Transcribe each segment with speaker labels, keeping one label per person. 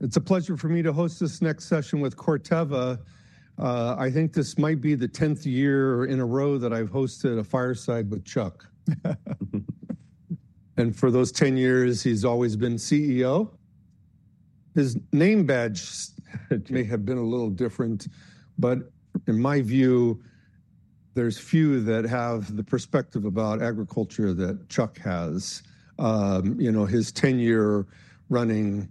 Speaker 1: It's a pleasure for me to host this next session with Corteva. I think this might be the 10th year in a row that I've hosted a fireside with Chuck. And for those 10 years, he's always been CEO. His name badge may have been a little different, but in my view, there's few that have the perspective about agriculture that Chuck has. You know, his 10-year running,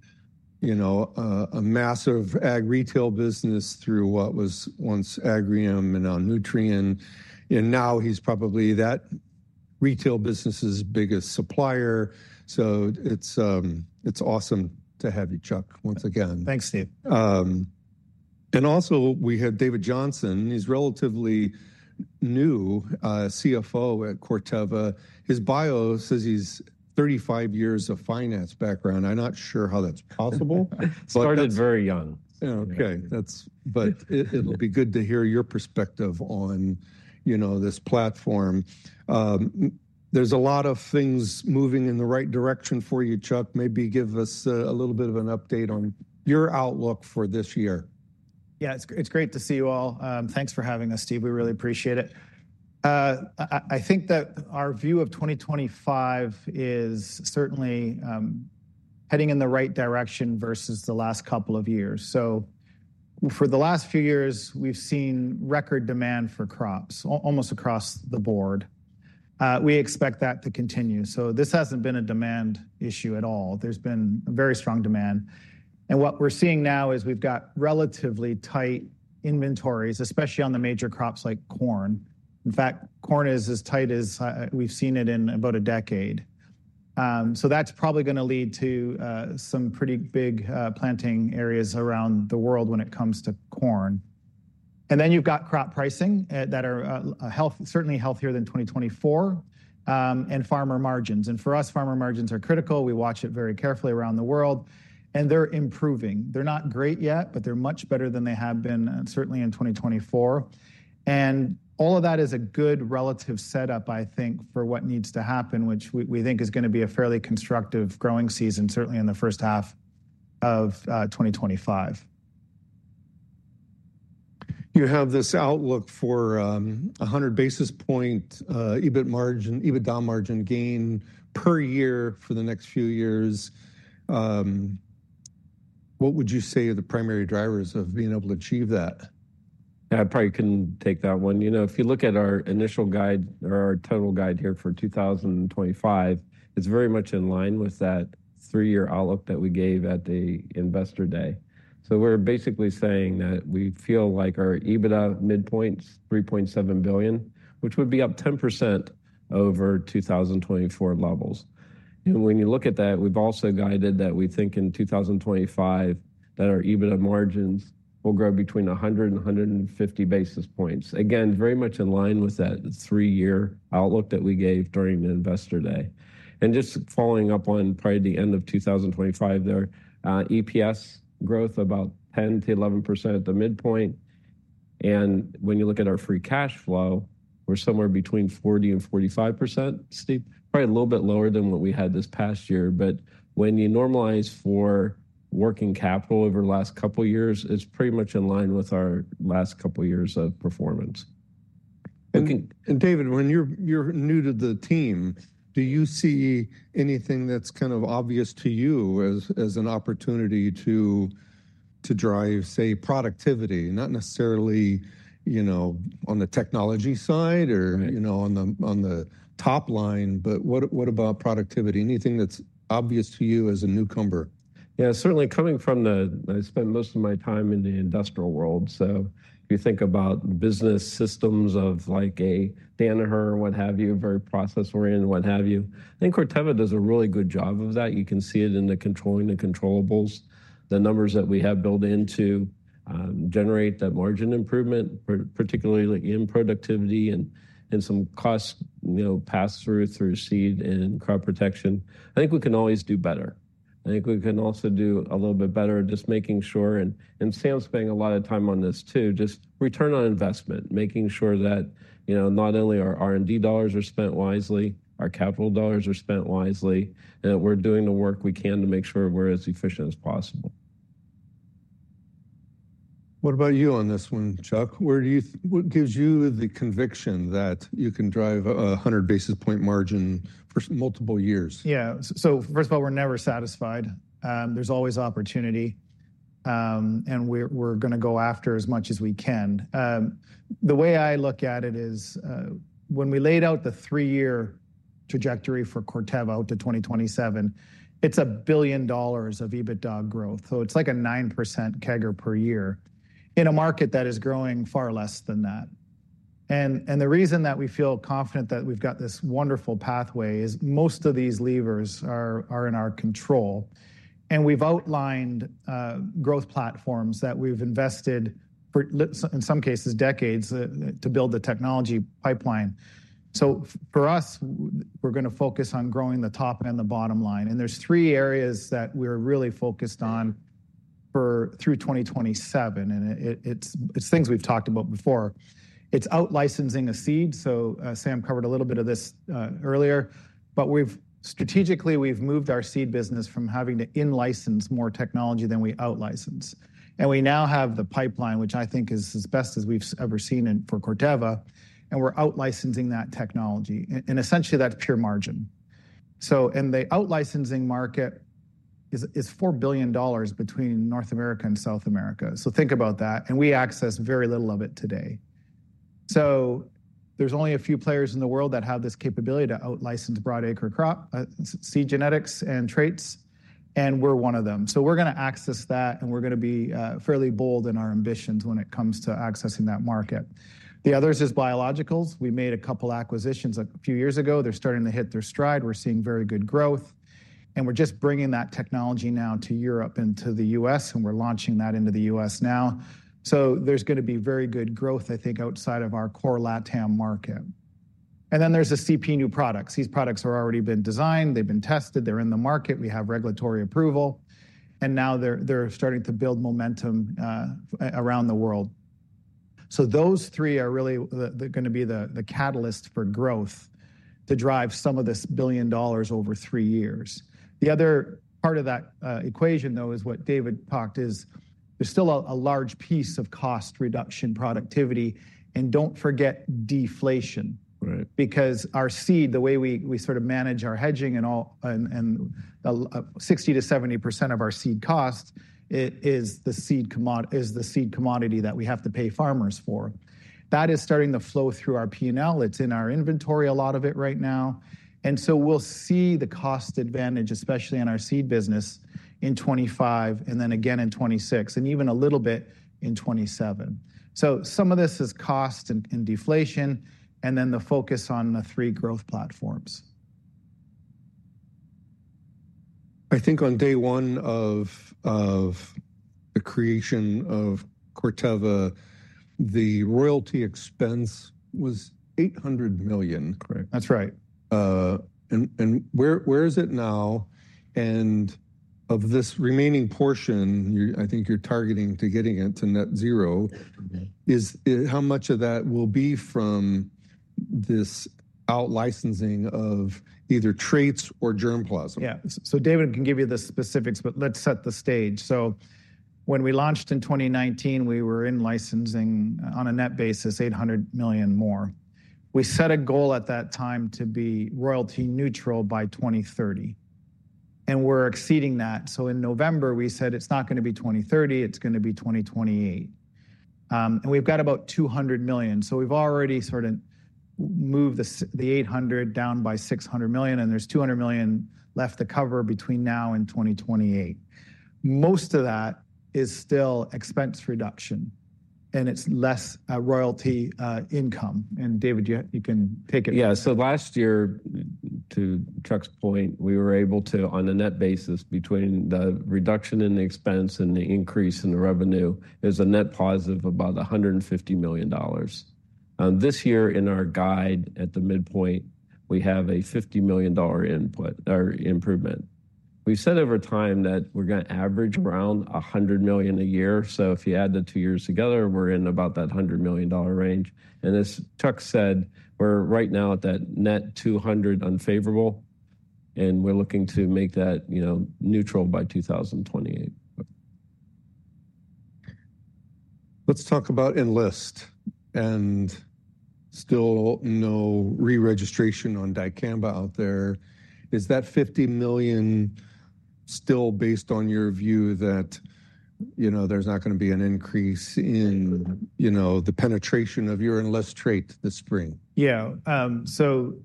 Speaker 1: you know, a massive ag retail business through what was once Agrium and now Nutrien. And now he's probably that retail business's biggest supplier. So it's awesome to have you, Chuck, once again.
Speaker 2: Thanks, Steve.
Speaker 1: And also we had David Johnson. He's relatively new, CFO at Corteva. His bio says he's 35 years of finance background. I'm not sure how that's possible.
Speaker 2: Started very young.
Speaker 1: But it'll be good to hear your perspective on, you know, this platform. There's a lot of things moving in the right direction for you, Chuck. Maybe give us a little bit of an update on your outlook for this year.
Speaker 2: Yeah, it's great to see you all. Thanks for having us, Steve. We really appreciate it. I think that our view of 2025 is certainly heading in the right direction versus the last couple of years. So for the last few years, we've seen record demand for crops almost across the board. We expect that to continue. So this hasn't been a demand issue at all. There's been very strong demand. And what we're seeing now is we've got relatively tight inventories, especially on the major crops like corn. In fact, corn is as tight as we've seen it in about a decade. So that's probably gonna lead to some pretty big planting areas around the world when it comes to corn. And then you've got crop pricing that are healthy, certainly healthier than 2024, and farmer margins. And for us, farmer margins are critical. We watch it very carefully around the world, and they're improving. They're not great yet, but they're much better than they have been, certainly in 2024, and all of that is a good relative setup, I think, for what needs to happen, which we think is gonna be a fairly constructive growing season, certainly in the first half of 2025.
Speaker 1: You have this outlook for a hundred basis points EBIT margin expansion per year for the next few years. What would you say are the primary drivers of being able to achieve that?
Speaker 3: Yeah, I probably couldn't take that one. You know, if you look at our initial guide or our total guide here for 2025, it's very much in line with that three-year outlook that we gave at the investor day. We're basically saying that we feel like our EBITDA midpoint's $3.7 billion, which would be up 10% over 2024 levels. When you look at that, we've also guided that we think in 2025 that our EBITDA margins will grow between 100 and 150 basis points. Again, very much in line with that three-year outlook that we gave during the investor day. Just following up on probably the end of 2025 there, EPS growth about 10% to 11% at the midpoint. When you look at our free cash flow, we're somewhere between 40% and 45%, Steve, probably a little bit lower than what we had this past year. But when you normalize for working capital over the last couple of years, it's pretty much in line with our last couple of years of performance.
Speaker 1: David, when you're new to the team, do you see anything that's kind of obvious to you as an opportunity to drive, say, productivity, not necessarily, you know, on the technology side or, you know, on the top line, but what about productivity? Anything that's obvious to you as a newcomer?
Speaker 3: Yeah, certainly, coming from the industrial world, I spent most of my time in the industrial world. So if you think about business systems of like a Danaher or what have you, very process-oriented, what have you, I think Corteva does a really good job of that. You can see it in the controlling and controllables, the numbers that we have built into generate that margin improvement, particularly like in productivity and some costs, you know, pass through through seed and crop protection. I think we can always do better. I think we can also do a little bit better at just making sure, and Sam's spending a lot of time on this too, just return on investment, making sure that, you know, not only our R&D dollars are spent wisely, our capital dollars are spent wisely, and that we're doing the work we can to make sure we're as efficient as possible.
Speaker 1: What about you on this one, Chuck? Where do you, what gives you the conviction that you can drive 100 basis points margin for multiple years?
Speaker 2: Yeah. So first of all, we're never satisfied. There's always opportunity, and we're gonna go after as much as we can. The way I look at it is, when we laid out the three-year trajectory for Corteva out to 2027, it's $1 billion of EBITDA growth. So it's like a 9% CAGR per year in a market that is growing far less than that. And the reason that we feel confident that we've got this wonderful pathway is most of these levers are in our control. And we've outlined growth platforms that we've invested for, in some cases, decades to build the technology pipeline. So for us, we're gonna focus on growing the top and the bottom line. And there's three areas that we're really focused on for through 2027. And it, it's things we've talked about before. It's out-licensing a seed. Sam covered a little bit of this earlier, but we've strategically, we've moved our seed business from having to in-license more technology than we out-license. We now have the pipeline, which I think is as best as we've ever seen in for Corteva, and we're out-licensing that technology. And essentially that's pure margin. The out-licensing market is $4 billion between North America and South America. Think about that. We access very little of it today. There's only a few players in the world that have this capability to out-license broad acre crop, seed genetics and traits, and we're one of them. We're gonna access that, and we're gonna be fairly bold in our ambitions when it comes to accessing that market. The others is biologicals. We made a couple acquisitions a few years ago. They're starting to hit their stride. We're seeing very good growth, and we're just bringing that technology now to Europe and to the US, and we're launching that into the US now. So there's gonna be very good growth, I think, outside of our core LATAM market. And then there's the CP new products. These products have already been designed. They've been tested. They're in the market. We have regulatory approval, and now they're starting to build momentum around the world. So those three are really gonna be the catalyst for growth to drive some of this billion dollars over three years. The other part of that equation though is what David talked is there's still a large piece of cost reduction productivity. And don't forget deflation.
Speaker 1: Right.
Speaker 2: Because our seed, the way we, we sort of manage our hedging and all, and, and 60%-70% of our seed costs, it is the seed commodity that we have to pay farmers for. That is starting to flow through our P&L. It's in our inventory, a lot of it right now, and so we'll see the cost advantage, especially in our seed business in 2025 and then again in 2026 and even a little bit in 2027, so some of this is cost and, and deflation and then the focus on the three growth platforms.
Speaker 1: I think on day one of the creation of Corteva, the royalty expense was $800 million.
Speaker 2: Correct. That's right.
Speaker 1: And where is it now? And of this remaining portion, you, I think you're targeting to getting it to net zero. Is it how much of that will be from this out-licensing of either traits or germplasm?
Speaker 2: Yeah. So David can give you the specifics, but let's set the stage. So when we launched in 2019, we were in licensing on a net basis $800 million more. We set a goal at that time to be royalty neutral by 2030, and we're exceeding that. So in November, we said it's not gonna be 2030, it's gonna be 2028. And we've got about $200 million. So we've already sort of moved the $800 down by $600 million, and there's $200 million left to cover between now and 2028. Most of that is still expense reduction, and it's less royalty income. And David, you can take it.
Speaker 3: Yeah. So last year, to Chuck's point, we were able to, on a net basis, between the reduction in the expense and the increase in the revenue, there's a net positive of about $150 million. This year in our guide at the midpoint, we have a $50 million input or improvement. We said over time that we're gonna average around $100 million a year. So if you add the two years together, we're in about that $100 million dollar range. And as Chuck said, we're right now at that net $200 million unfavorable, and we're looking to make that, you know, neutral by 2028.
Speaker 1: Let's talk about Enlist and still no re-registration on dicamba out there. Is that $50 million still based on your view that, you know, there's not gonna be an increase in, you know, the penetration of your Enlist trait this spring?
Speaker 2: Yeah. So,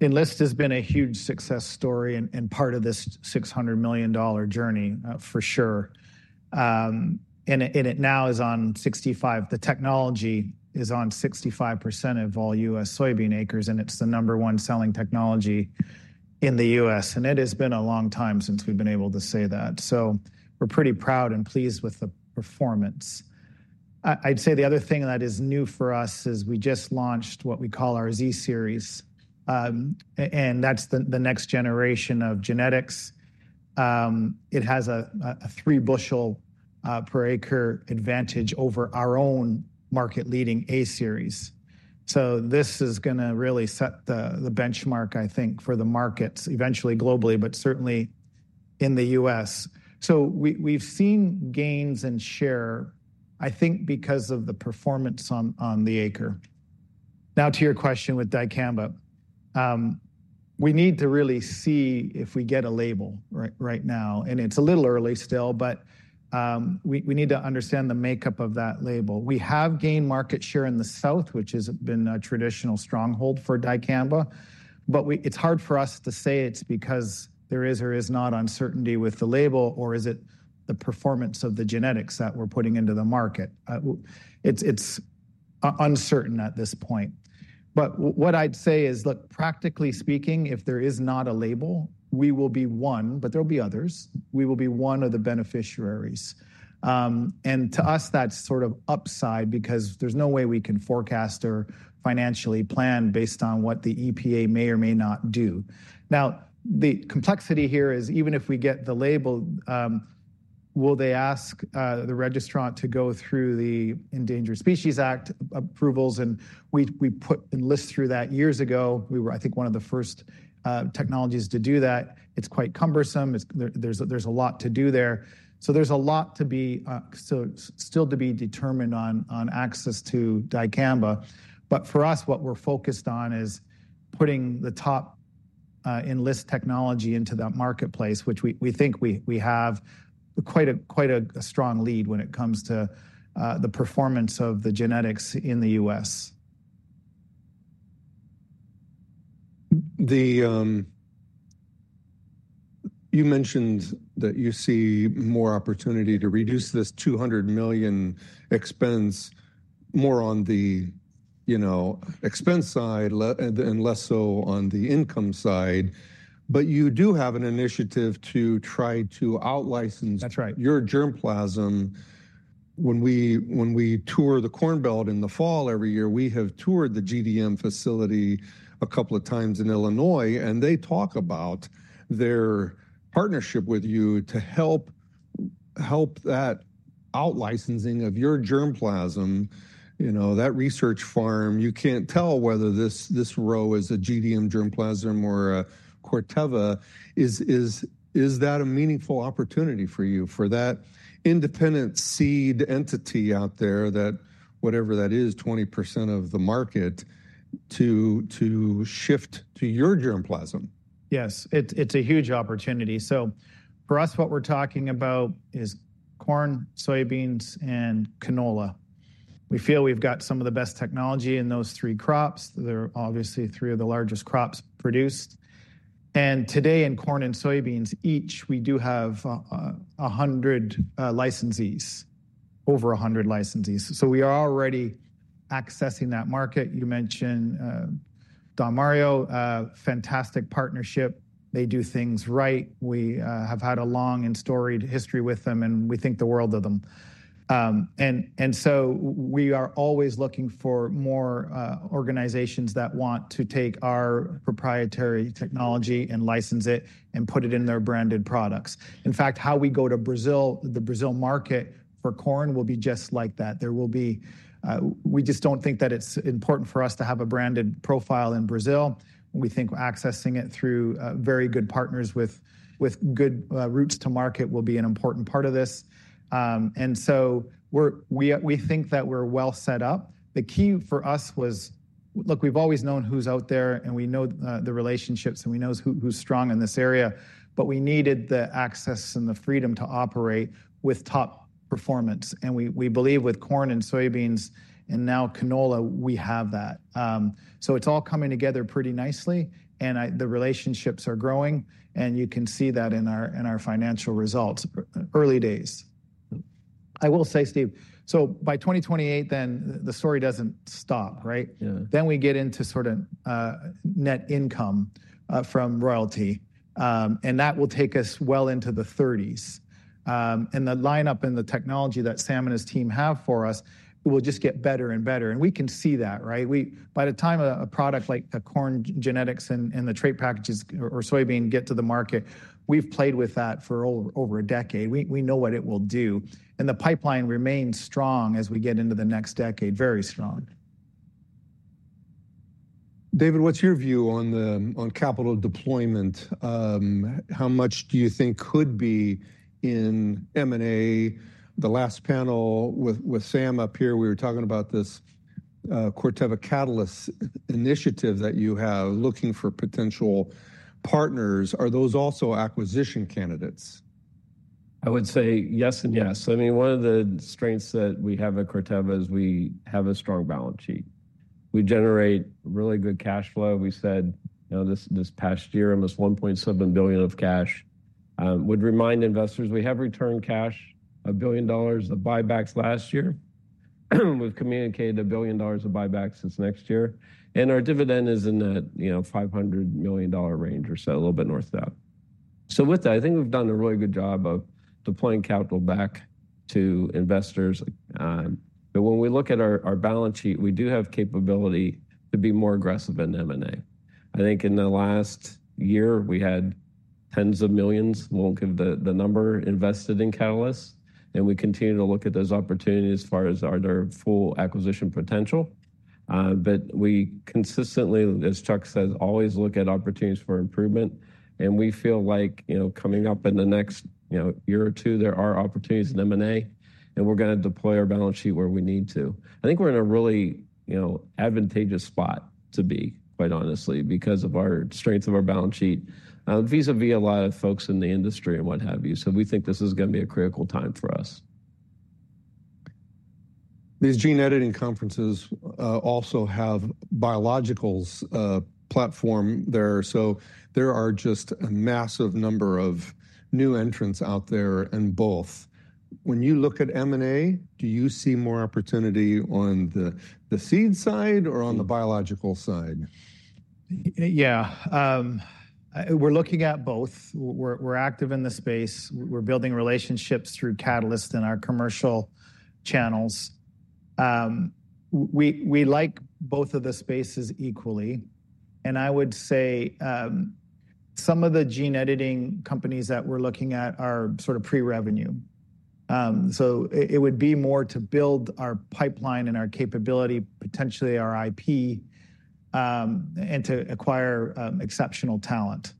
Speaker 2: Enlist has been a huge success story and, and part of this $600 million journey, for sure. And it, and it now is on 65, the technology is on 65% of all U.S. soybean acres, and it's the number one selling technology in the U.S. And it has been a long time since we've been able to say that. So we're pretty proud and pleased with the performance. I'd say the other thing that is new for us is we just launched what we call our Z-Series. And that's the, the next generation of genetics. It has a, a, a three bushel per acre advantage over our own market leading A-Series. So this is gonna really set the, the benchmark, I think, for the markets eventually globally, but certainly in the U.S. So we've seen gains in share, I think because of the performance on the acre. Now, to your question with Dicamba, we need to really see if we get a label right now. And it's a little early still, but we need to understand the makeup of that label. We have gained market share in the South, which has been a traditional stronghold for Dicamba, but it's hard for us to say it's because there is or is not uncertainty with the label or is it the performance of the genetics that we're putting into the market. It's uncertain at this point. But what I'd say is, look, practically speaking, if there is not a label, we will be one, but there'll be others. We will be one of the beneficiaries. And to us, that's sort of upside because there's no way we can forecast or financially plan based on what the EPA may or may not do. Now, the complexity here is even if we get the label, will they ask the registrant to go through the Endangered Species Act approvals? And we put Enlist through that years ago. We were, I think, one of the first technologies to do that. It's quite cumbersome. There's a lot to do there. So there's still a lot to be determined on access to Dicamba. But for us, what we're focused on is putting the top Enlist technology into that marketplace, which we think we have quite a strong lead when it comes to the performance of the genetics in the U.S.
Speaker 1: You mentioned that you see more opportunity to reduce this $200 million expense more on the, you know, expense side and less so on the income side, but you do have an initiative to try to out-license.
Speaker 2: That's right.
Speaker 1: Your germplasm. When we tour the Corn Belt in the fall every year, we have toured the GDM facility a couple of times in Illinois, and they talk about their partnership with you to help that out-licensing of your germplasm, you know, that research farm. You can't tell whether this row is a GDM germplasm or a Corteva. Is that a meaningful opportunity for you, for that independent seed entity out there that whatever that is, 20% of the market to shift to your germplasm?
Speaker 2: Yes. It's a huge opportunity. So for us, what we're talking about is corn, soybeans, and canola. We feel we've got some of the best technology in those three crops. They're obviously three of the largest crops produced. And today in corn and soybeans each, we do have over a hundred licensees. So we are already accessing that market. You mentioned Don Mario, fantastic partnership. They do things right. We have had a long and storied history with them, and we think the world of them. And so we are always looking for more organizations that want to take our proprietary technology and license it and put it in their branded products. In fact, how we go to Brazil, the Brazil market for corn will be just like that. There will be. We just don't think that it's important for us to have a branded profile in Brazil. We think accessing it through very good partners with good routes to market will be an important part of this. So we're well set up. The key for us was, look, we've always known who's out there and we know the relationships and we know who's strong in this area, but we needed the access and the freedom to operate with top performance. We believe with corn and soybeans and now canola, we have that. It's all coming together pretty nicely and the relationships are growing and you can see that in our financial results, early days. I will say, Steve, so by 2028, then the story doesn't stop, right?
Speaker 1: Yeah.
Speaker 2: Then we get into sort of net income from royalty, and that will take us well into the thirties. And the lineup and the technology that Sam and his team have for us will just get better and better. And we can see that, right? We, by the time a product like the corn genetics and the trait packages or soybean get to the market, we've played with that for over a decade. We know what it will do. And the pipeline remains strong as we get into the next decade, very strong.
Speaker 1: David, what's your view on capital deployment? How much do you think could be in M and A? The last panel with Sam up here, we were talking about this Corteva Catalyst initiative that you have looking for potential partners. Are those also acquisition candidates?
Speaker 3: I would say yes and yes. I mean, one of the strengths that we have at Corteva is we have a strong balance sheet. We generate really good cash flow. We said, you know, this past year, almost $1.7 billion of cash. I would remind investors, we have returned $1 billion of buybacks last year. We've communicated $1 billion of buybacks this next year. And our dividend is in the, you know, $500 million range or so, a little bit north of that. So with that, I think we've done a really good job of deploying capital back to investors. But when we look at our balance sheet, we do have capability to be more aggressive in M and A. I think in the last year, we had tens of millions. Won't give the number invested in Catalyst, and we continue to look at those opportunities as far as our, their full acquisition potential. We consistently, as Chuck says, always look at opportunities for improvement. We feel like, you know, coming up in the next, you know, year or two, there are opportunities in M and A, and we're gonna deploy our balance sheet where we need to. I think we're in a really, you know, advantageous spot to be, quite honestly, because of our strengths of our balance sheet, vis-à-vis a lot of folks in the industry and what have you. We think this is gonna be a critical time for us.
Speaker 1: These gene editing conferences also have biologicals platform there. So there are just a massive number of new entrants out there in both. When you look at M and A, do you see more opportunity on the seed side or on the biological side?
Speaker 2: Yeah. We're looking at both. We're active in the space. We're building relationships through Catalyst and our commercial channels. We like both of the spaces equally. And I would say, some of the gene editing companies that we're looking at are sort of pre-revenue. So it would be more to build our pipeline and our capability, potentially our IP, and to acquire exceptional talent.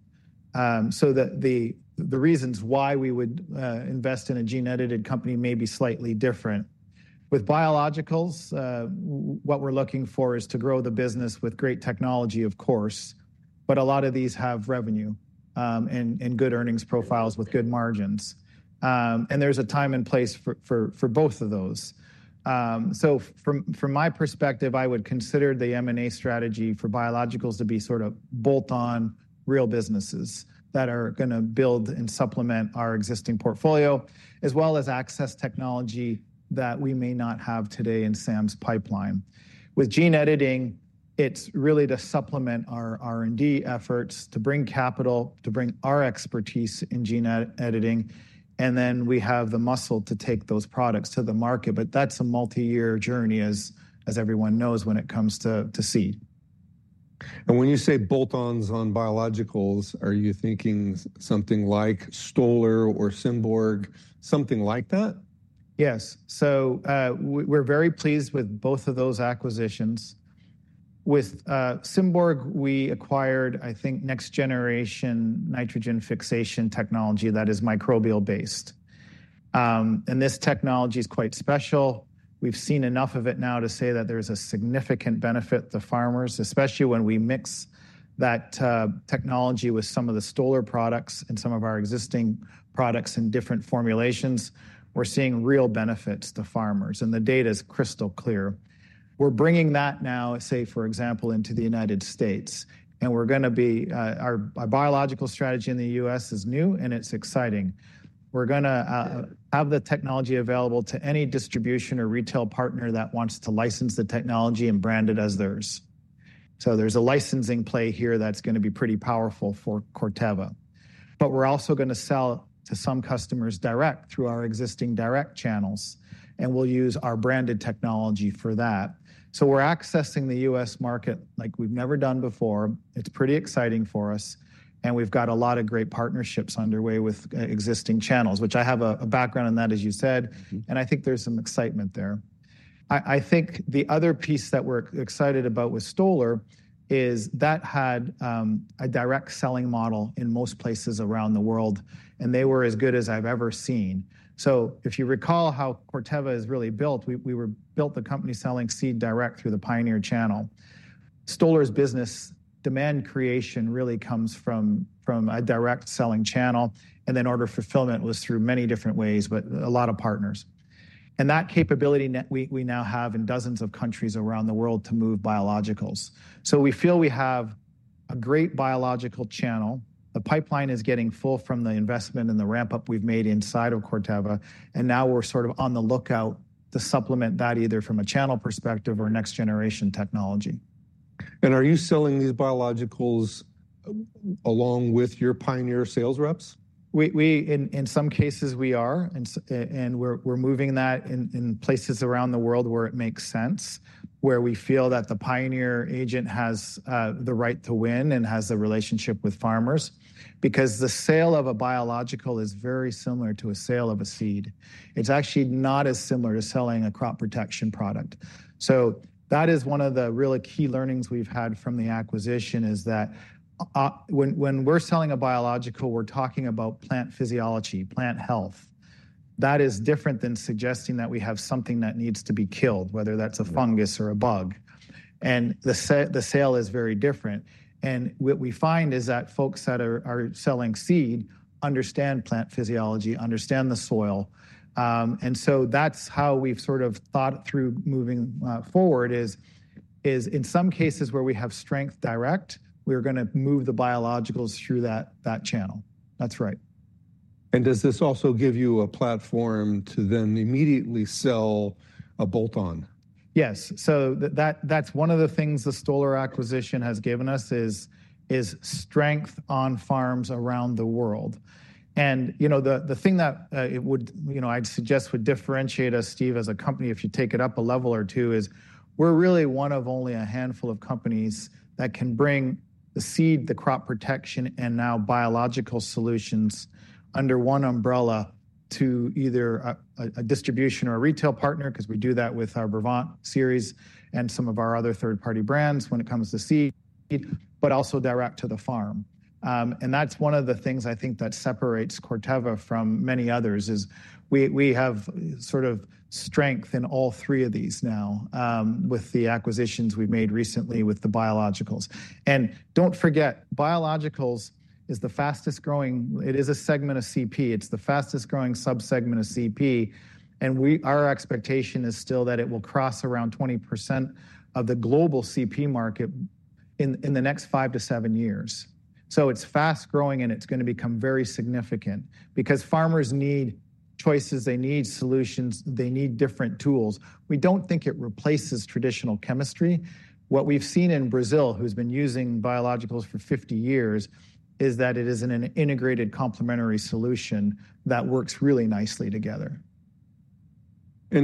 Speaker 2: So the reasons why we would invest in a gene edited company may be slightly different. With biologicals, what we're looking for is to grow the business with great technology, of course, but a lot of these have revenue and good earnings profiles with good margins. And there's a time and place for both of those. From my perspective, I would consider the M and A strategy for biologicals to be sort of bolt-on real businesses that are gonna build and supplement our existing portfolio, as well as access technology that we may not have today in Sam's pipeline. With gene editing, it's really to supplement our R&D efforts to bring capital, to bring our expertise in gene editing. And then we have the muscle to take those products to the market. But that's a multi-year journey, as everyone knows, when it comes to seed.
Speaker 1: When you say bolt-ons on biologicals, are you thinking something like Stoller or Symborg, something like that?
Speaker 2: Yes. So, we're very pleased with both of those acquisitions. With Symborg, we acquired, I think, next generation nitrogen fixation technology that is microbial based. And this technology's quite special. We've seen enough of it now to say that there's a significant benefit to farmers, especially when we mix that technology with some of the Stoller products and some of our existing products in different formulations. We're seeing real benefits to farmers, and the data's crystal clear. We're bringing that now, say, for example, into the United States, and we're gonna be, our, our biological strategy in the US is new and it's exciting. We're gonna have the technology available to any distribution or retail partner that wants to license the technology and brand it as theirs. So there's a licensing play here that's gonna be pretty powerful for Corteva. But we're also gonna sell to some customers direct through our existing direct channels, and we'll use our branded technology for that. So we're accessing the U.S. market like we've never done before. It's pretty exciting for us. And we've got a lot of great partnerships underway with existing channels, which I have a background in that, as you said. And I think there's some excitement there. I think the other piece that we're excited about with Stoller is that had a direct selling model in most places around the world, and they were as good as I've ever seen. So if you recall how Corteva is really built, we were built the company selling seed direct through the Pioneer channel. Stoller's business demand creation really comes from a direct selling channel, and then order fulfillment was through many different ways, but a lot of partners. That capability network we now have in dozens of countries around the world to move biologicals. We feel we have a great biological channel. The pipeline is getting full from the investment and the ramp-up we've made inside of Corteva. Now we're sort of on the lookout to supplement that either from a channel perspective or next generation technology.
Speaker 1: Are you selling these biologicals along with your Pioneer sales reps?
Speaker 2: We in some cases are, and we're moving that in places around the world where it makes sense, where we feel that the Pioneer agent has the right to win and has the relationship with farmers, because the sale of a biological is very similar to a sale of a seed. It's actually not as similar to selling a crop protection product. So that is one of the really key learnings we've had from the acquisition is that, when we're selling a biological, we're talking about plant physiology, plant health. That is different than suggesting that we have something that needs to be killed, whether that's a fungus or a bug. And the sale is very different. And what we find is that folks that are selling seed understand plant physiology, understand the soil. And so that's how we've sort of thought through moving forward, is in some cases where we have strength direct, we are gonna move the biologicals through that channel. That's right.
Speaker 1: Does this also give you a platform to then immediately sell a bolt-on?
Speaker 2: Yes. So that's one of the things the Stoller acquisition has given us is strength on farms around the world. And, you know, the thing that you know, I'd suggest would differentiate us, Steve, as a company, if you take it up a level or two, is we're really one of only a handful of companies that can bring the seed, the crop protection, and now biological solutions under one umbrella to either a distribution or a retail partner, 'cause we do that with our Brevant series and some of our other third-party brands when it comes to seed, but also direct to the farm. That's one of the things I think that separates Corteva from many others is we have sort of strength in all three of these now, with the acquisitions we've made recently with the biologicals. Don't forget, biologicals is the fastest growing. It is a segment of CP. It's the fastest growing subsegment of CP. Our expectation is still that it will cross around 20% of the global CP market in the next five to seven years. It's fast growing and it's gonna become very significant because farmers need choices. They need solutions. They need different tools. We don't think it replaces traditional chemistry. What we've seen in Brazil, who's been using biologicals for 50 years, is that it is an integrated complementary solution that works really nicely together.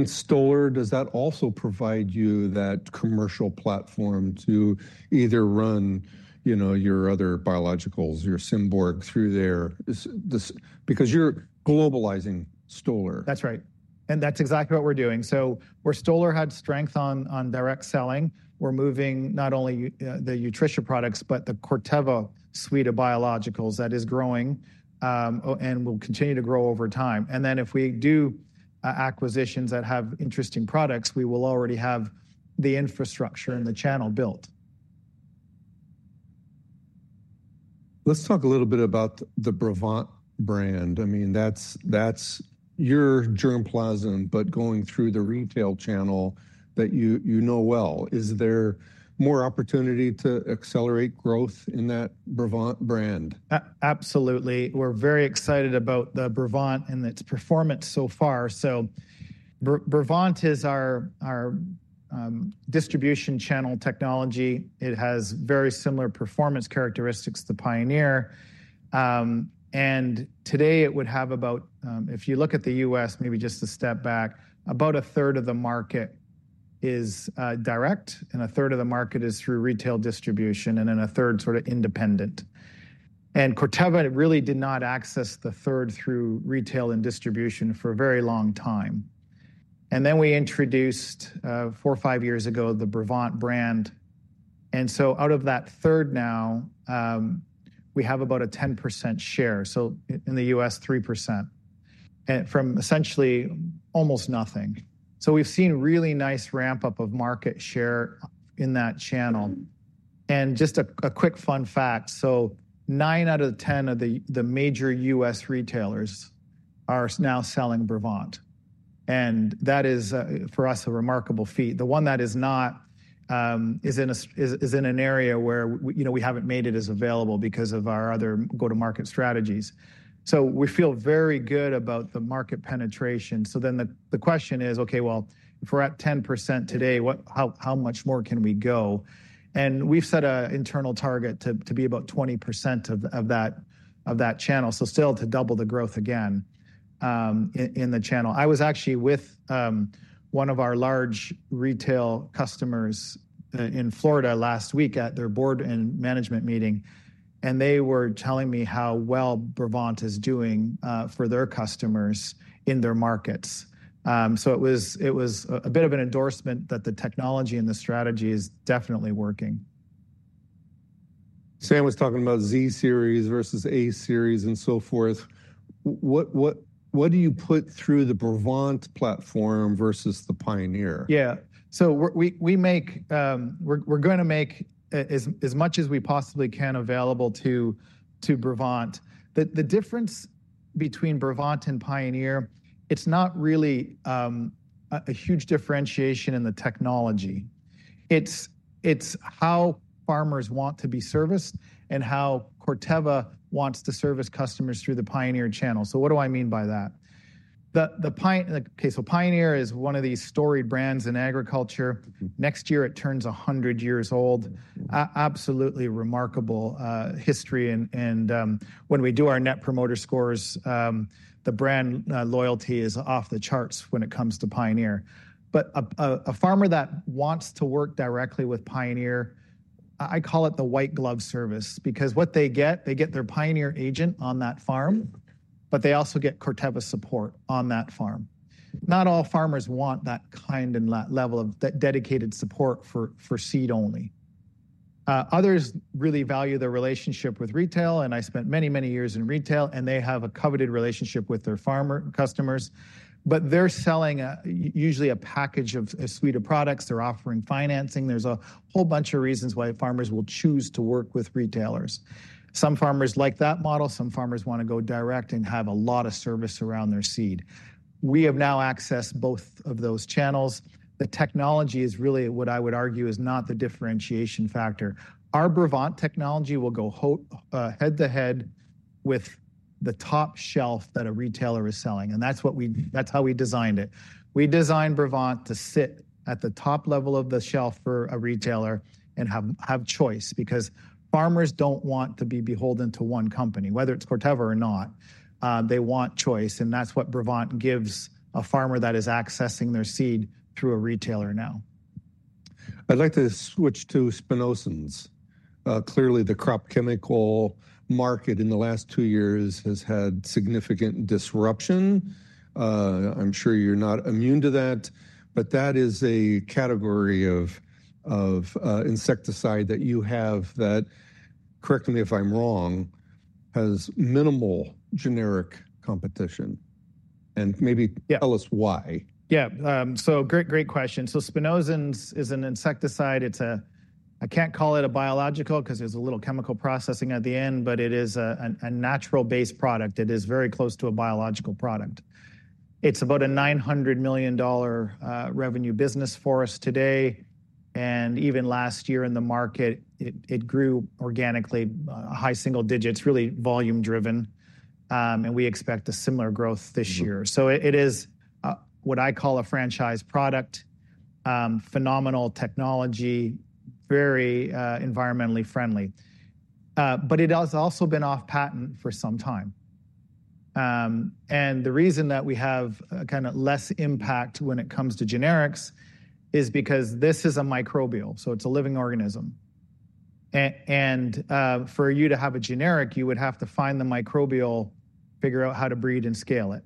Speaker 1: Stoller, does that also provide you that commercial platform to either run, you know, your other biologicals, your Symborg through there, this, because you're globalizing Stoller?
Speaker 2: That's right, and that's exactly what we're doing, so where Stoller had strength on, on direct selling, we're moving not only the nutrition products, but the Corteva suite of biologicals that is growing, and will continue to grow over time, and then if we do acquisitions that have interesting products, we will already have the infrastructure and the channel built.
Speaker 1: Let's talk a little bit about the Brevant brand. I mean, that's your germplasm, but going through the retail channel that you know well. Is there more opportunity to accelerate growth in that Brevant brand?
Speaker 2: Absolutely. We're very excited about the Brevant and its performance so far. So Brevant is our distribution channel technology. It has very similar performance characteristics to Pioneer. Today it would have about, if you look at the U.S., maybe just a step back, about a third of the market is direct, and a third of the market is through retail distribution, and then a third sort of independent. Corteva really did not access the third through retail and distribution for a very long time. Then we introduced four or five years ago the Brevant brand. So out of that third now, we have about a 10% share. In the U.S., 3%, and from essentially almost nothing. So we've seen really nice ramp-up of market share in that channel. And just a quick fun fact, so nine out of ten of the major U.S. retailers are now selling Brevant. And that is, for us, a remarkable feat. The one that is not is in an area where we, you know, we haven't made it as available because of our other go-to-market strategies. So we feel very good about the market penetration. So then the question is, okay, well, if we're at 10% today, what, how much more can we go? And we've set an internal target to be about 20% of that channel. So still to double the growth again in the channel. I was actually with one of our large retail customers in Florida last week at their board and management meeting, and they were telling me how well Brevant is doing for their customers in their markets, so it was a bit of an endorsement that the technology and the strategy is definitely working.
Speaker 1: Sam was talking about Z-Series versus A-Series and so forth. What do you put through the Brevant platform versus the Pioneer?
Speaker 2: Yeah. So we make, we're gonna make as much as we possibly can available to Brevant. The difference between Brevant and Pioneer, it's not really a huge differentiation in the technology. It's how farmers want to be serviced and how Corteva wants to service customers through the Pioneer channel. So what do I mean by that? Pioneer is one of these storied brands in agriculture. Next year it turns a hundred years old. Absolutely remarkable history. And when we do our net promoter scores, the brand loyalty is off the charts when it comes to Pioneer. But a farmer that wants to work directly with Pioneer, I call it the white glove service, because what they get, they get their Pioneer agent on that farm, but they also get Corteva support on that farm. Not all farmers want that kind and that level of that dedicated support for seed only. Others really value their relationship with retail, and I spent many, many years in retail, and they have a coveted relationship with their farmer customers. But they're selling a, usually a package of a suite of products. They're offering financing. There's a whole bunch of reasons why farmers will choose to work with retailers. Some farmers like that model. Some farmers wanna go direct and have a lot of service around their seed. We have now accessed both of those channels. The technology is really what I would argue is not the differentiation factor. Our Brevant technology will go head to head with the top shelf that a retailer is selling. And that's what we, that's how we designed it. We designed Brevant to sit at the top level of the shelf for a retailer and have choice, because farmers don't want to be beholden to one company, whether it's Corteva or not. They want choice, and that's what Brevant gives a farmer that is accessing their seed through a retailer now.
Speaker 1: I'd like to switch to spinosyns. Clearly the crop chemical market in the last two years has had significant disruption. I'm sure you're not immune to that, but that is a category of insecticide that you have that, correct me if I'm wrong, has minimal generic competition, and maybe tell us why.
Speaker 2: Yeah. So great, great question. Spinosyns is an insecticide. It's a. I can't call it a biological 'cause there's a little chemical processing at the end, but it is a natural-based product. It is very close to a biological product. It's about a $900 million revenue business for us today. And even last year in the market, it grew organically high single digits, really volume-driven. We expect a similar growth this year. So it is what I call a franchise product, phenomenal technology, very environmentally friendly. But it has also been off patent for some time. The reason that we have a kind of less impact when it comes to generics is because this is a microbial. So it's a living organism. For you to have a generic, you would have to find the microbial, figure out how to breed and scale it.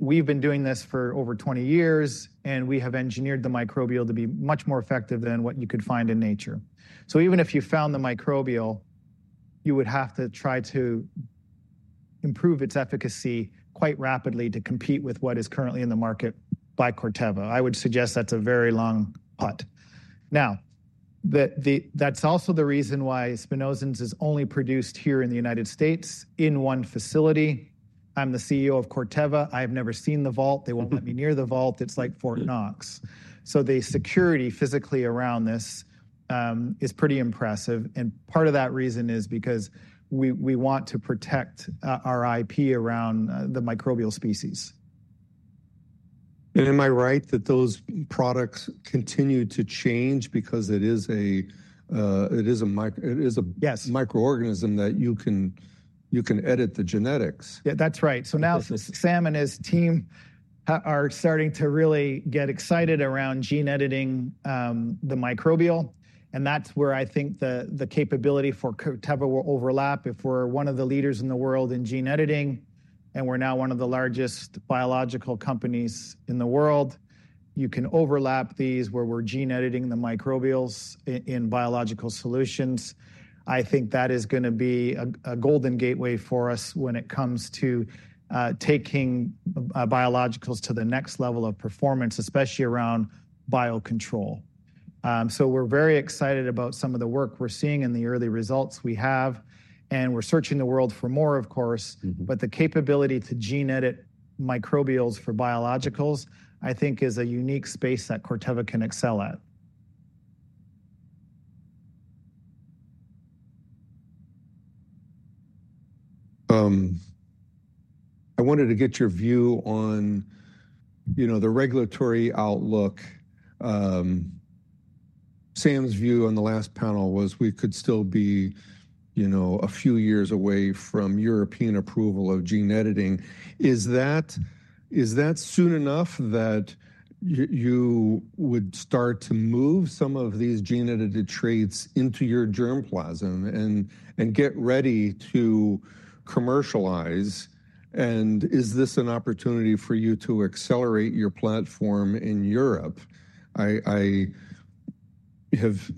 Speaker 2: We've been doing this for over 20 years, and we have engineered the microbial to be much more effective than what you could find in nature. So even if you found the microbial, you would have to try to improve its efficacy quite rapidly to compete with what is currently in the market by Corteva. I would suggest that's a very long putt. Now, that's also the reason why Spinosyns is only produced here in the United States in one facility. I'm the CEO of Corteva. I have never seen the vault. They won't let me near the vault. It's like Fort Knox. So the security physically around this is pretty impressive. Part of that reason is because we want to protect our IP around the microbial species.
Speaker 1: Am I right that those products continue to change because it is a microorganism that you can edit the genetics?
Speaker 2: Yeah, that's right. So now Sam and his team are starting to really get excited around gene editing, the microbial. And that's where I think the capability for Corteva will overlap. If we're one of the leaders in the world in gene editing, and we're now one of the largest biological companies in the world, you can overlap these where we're gene editing the microbials in biological solutions. I think that is gonna be a golden gateway for us when it comes to taking biologicals to the next level of performance, especially around biocontrol, so we're very excited about some of the work we're seeing in the early results we have, and we're searching the world for more, of course. But the capability to gene edit microbials for biologicals, I think is a unique space that Corteva can excel at.
Speaker 1: I wanted to get your view on, you know, the regulatory outlook. Sam's view on the last panel was we could still be, you know, a few years away from European approval of gene editing. Is that soon enough that you would start to move some of these gene-edited traits into your germplasm and get ready to commercialize? And is this an opportunity for you to accelerate your platform in Europe? I have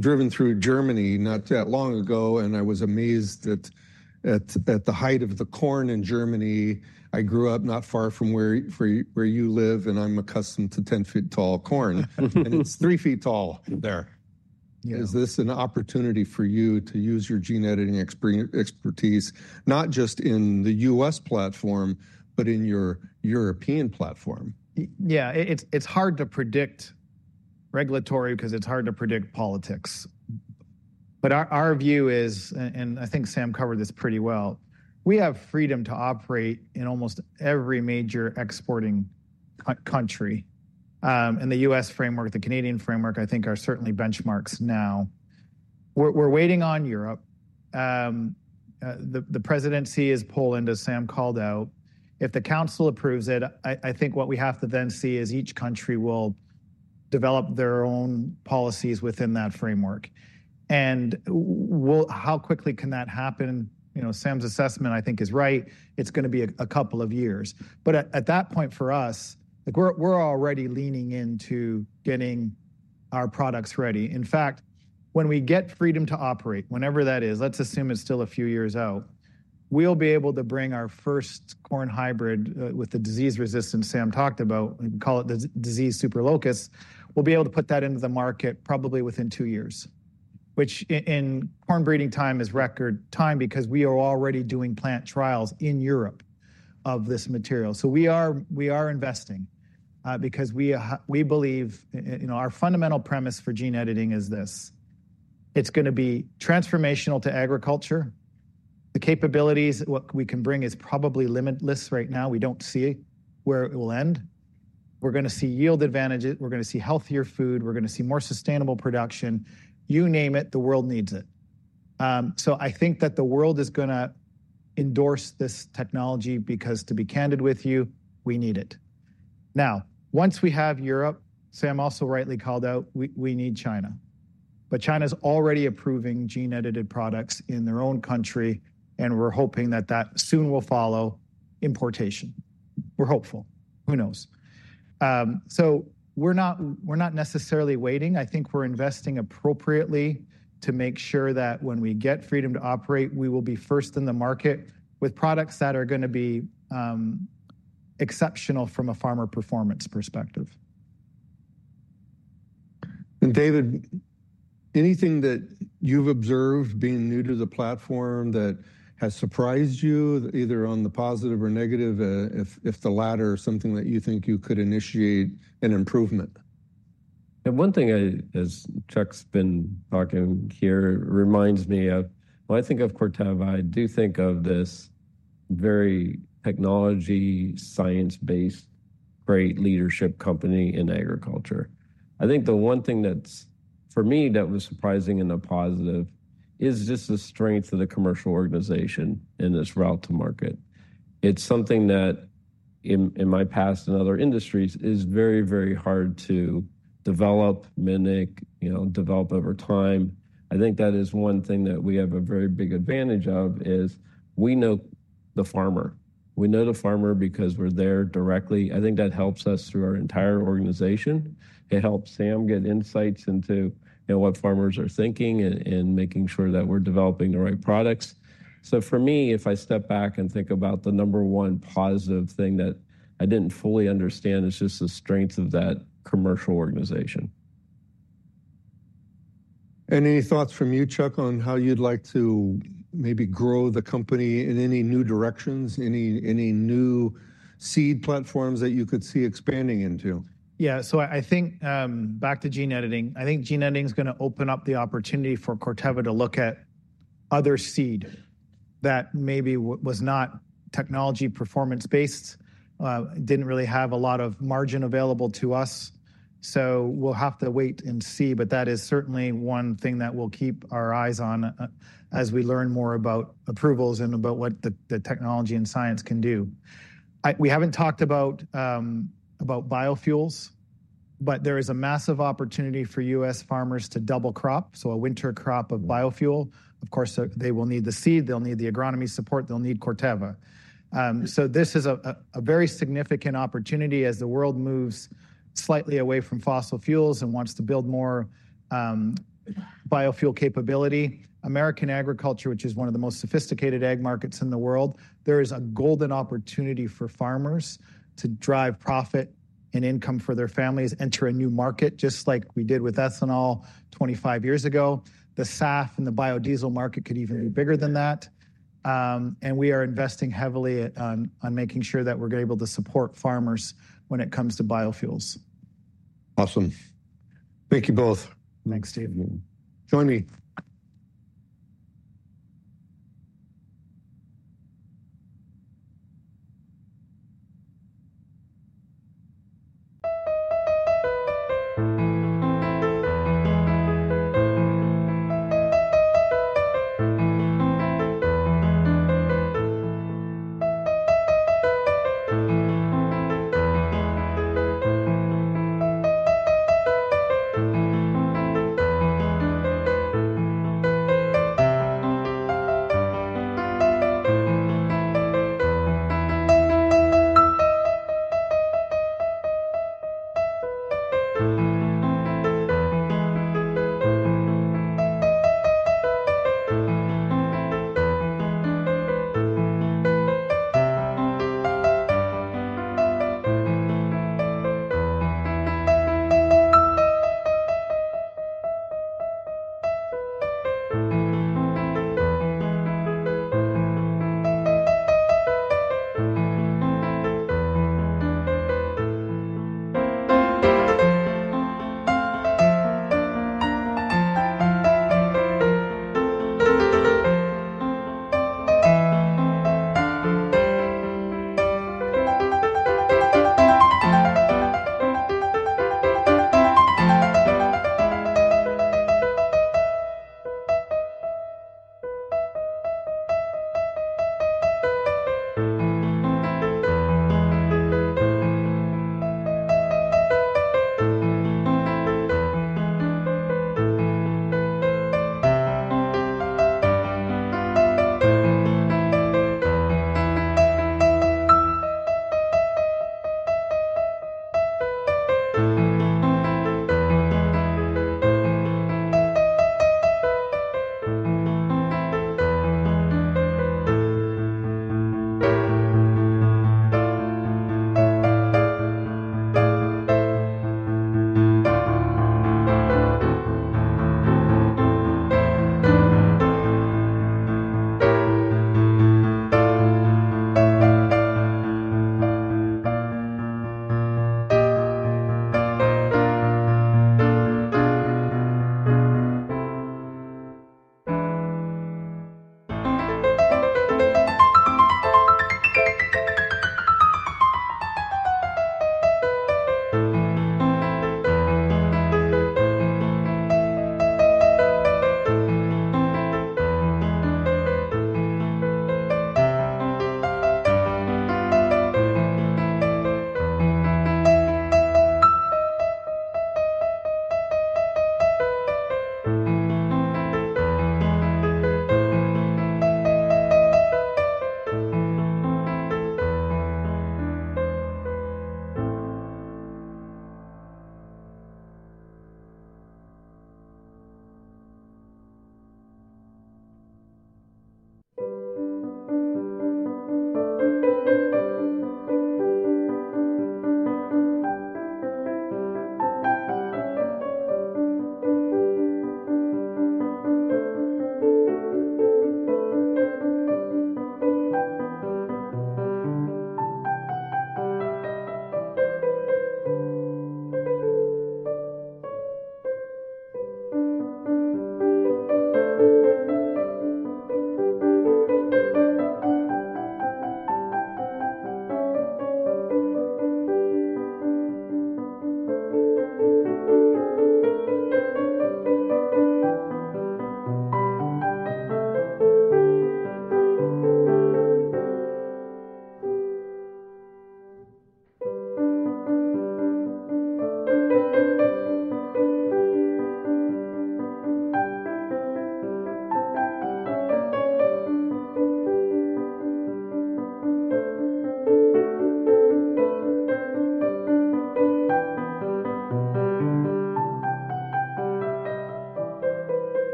Speaker 1: driven through Germany not that long ago, and I was amazed that at the height of the corn in Germany, I grew up not far from where you live, and I'm accustomed to 10 feet tall corn, and it's three feet tall there. Is this an opportunity for you to use your gene editing expertise, not just in the U.S. platform, but in your European platform?
Speaker 2: Yeah. It's hard to predict regulatory 'cause it's hard to predict politics. But our view is, and I think Sam covered this pretty well, we have freedom to operate in almost every major exporting country. And the U.S. framework, the Canadian framework, I think are certainly benchmarks now. We're waiting on Europe. The presidency is pulled in, too. Sam called out. If the council approves it, I think what we have to then see is each country will develop their own policies within that framework. And we'll, how quickly can that happen? You know, Sam's assessment, I think, is right. It's gonna be a couple of years. But at that point for us, like we're already leaning into getting our products ready. In fact, when we get freedom to operate, whenever that is, let's assume it's still a few years out, we'll be able to bring our first corn hybrid, with the disease resistance Sam talked about, we call it the disease super locus. We'll be able to put that into the market probably within two years, which in corn breeding time is record time because we are already doing plant trials in Europe of this material. So we are investing, because we believe, you know, our fundamental premise for gene editing is this. It's gonna be transformational to agriculture. The capabilities, what we can bring is probably limitless right now. We don't see where it will end. We're gonna see yield advantages. We're gonna see healthier food. We're gonna see more sustainable production. You name it, the world needs it. So I think that the world is gonna endorse this technology because, to be candid with you, we need it. Now, once we have Europe, Sam also rightly called out, we need China. But China's already approving gene-edited products in their own country, and we're hoping that soon will follow importation. We're hopeful. Who knows? So we're not necessarily waiting. I think we're investing appropriately to make sure that when we get freedom to operate, we will be first in the market with products that are gonna be exceptional from a farmer performance perspective.
Speaker 1: David, anything that you've observed being new to the platform that has surprised you, either on the positive or negative, if the latter is something that you think you could initiate an improvement?
Speaker 3: One thing I, as Chuck's been talking here, reminds me of, when I think of Corteva, I do think of this very technology science-based, great leadership company in agriculture. I think the one thing that's, for me, that was surprising and a positive is just the strength of the commercial organization in this route to market. It's something that in my past and other industries is very, very hard to develop, mimic, you know, develop over time. I think that is one thing that we have a very big advantage of is we know the farmer. We know the farmer because we're there directly. I think that helps us through our entire organization. It helps Sam get insights into, you know, what farmers are thinking and making sure that we're developing the right products. So for me, if I step back and think about the number one positive thing that I didn't fully understand, it's just the strength of that commercial organization.
Speaker 1: Any thoughts from you, Chuck, on how you'd like to maybe grow the company in any new directions, any, any new seed platforms that you could see expanding into?
Speaker 2: Yeah. So I think, back to gene editing, I think gene editing's gonna open up the opportunity for Corteva to look at other seed that maybe was not technology performance-based, didn't really have a lot of margin available to us. So we'll have to wait and see. But that is certainly one thing that we'll keep our eyes on, as we learn more about approvals and about what the technology and science can do. We haven't talked about biofuels, but there is a massive opportunity for U.S. farmers to double crop. So a winter crop of biofuel. Of course, they will need the seed, they'll need the agronomy support, they'll need Corteva. So this is a very significant opportunity as the world moves slightly away from fossil fuels and wants to build more biofuel capability. American agriculture, which is one of the most sophisticated ag markets in the world. There is a golden opportunity for farmers to drive profit and income for their families, enter a new market, just like we did with ethanol 25 years ago. The SAF and the biodiesel market could even be bigger than that. We are investing heavily on making sure that we're able to support farmers when it comes to biofuels.
Speaker 1: Awesome. Thank you both.
Speaker 2: Thanks, Steve.
Speaker 1: Join me.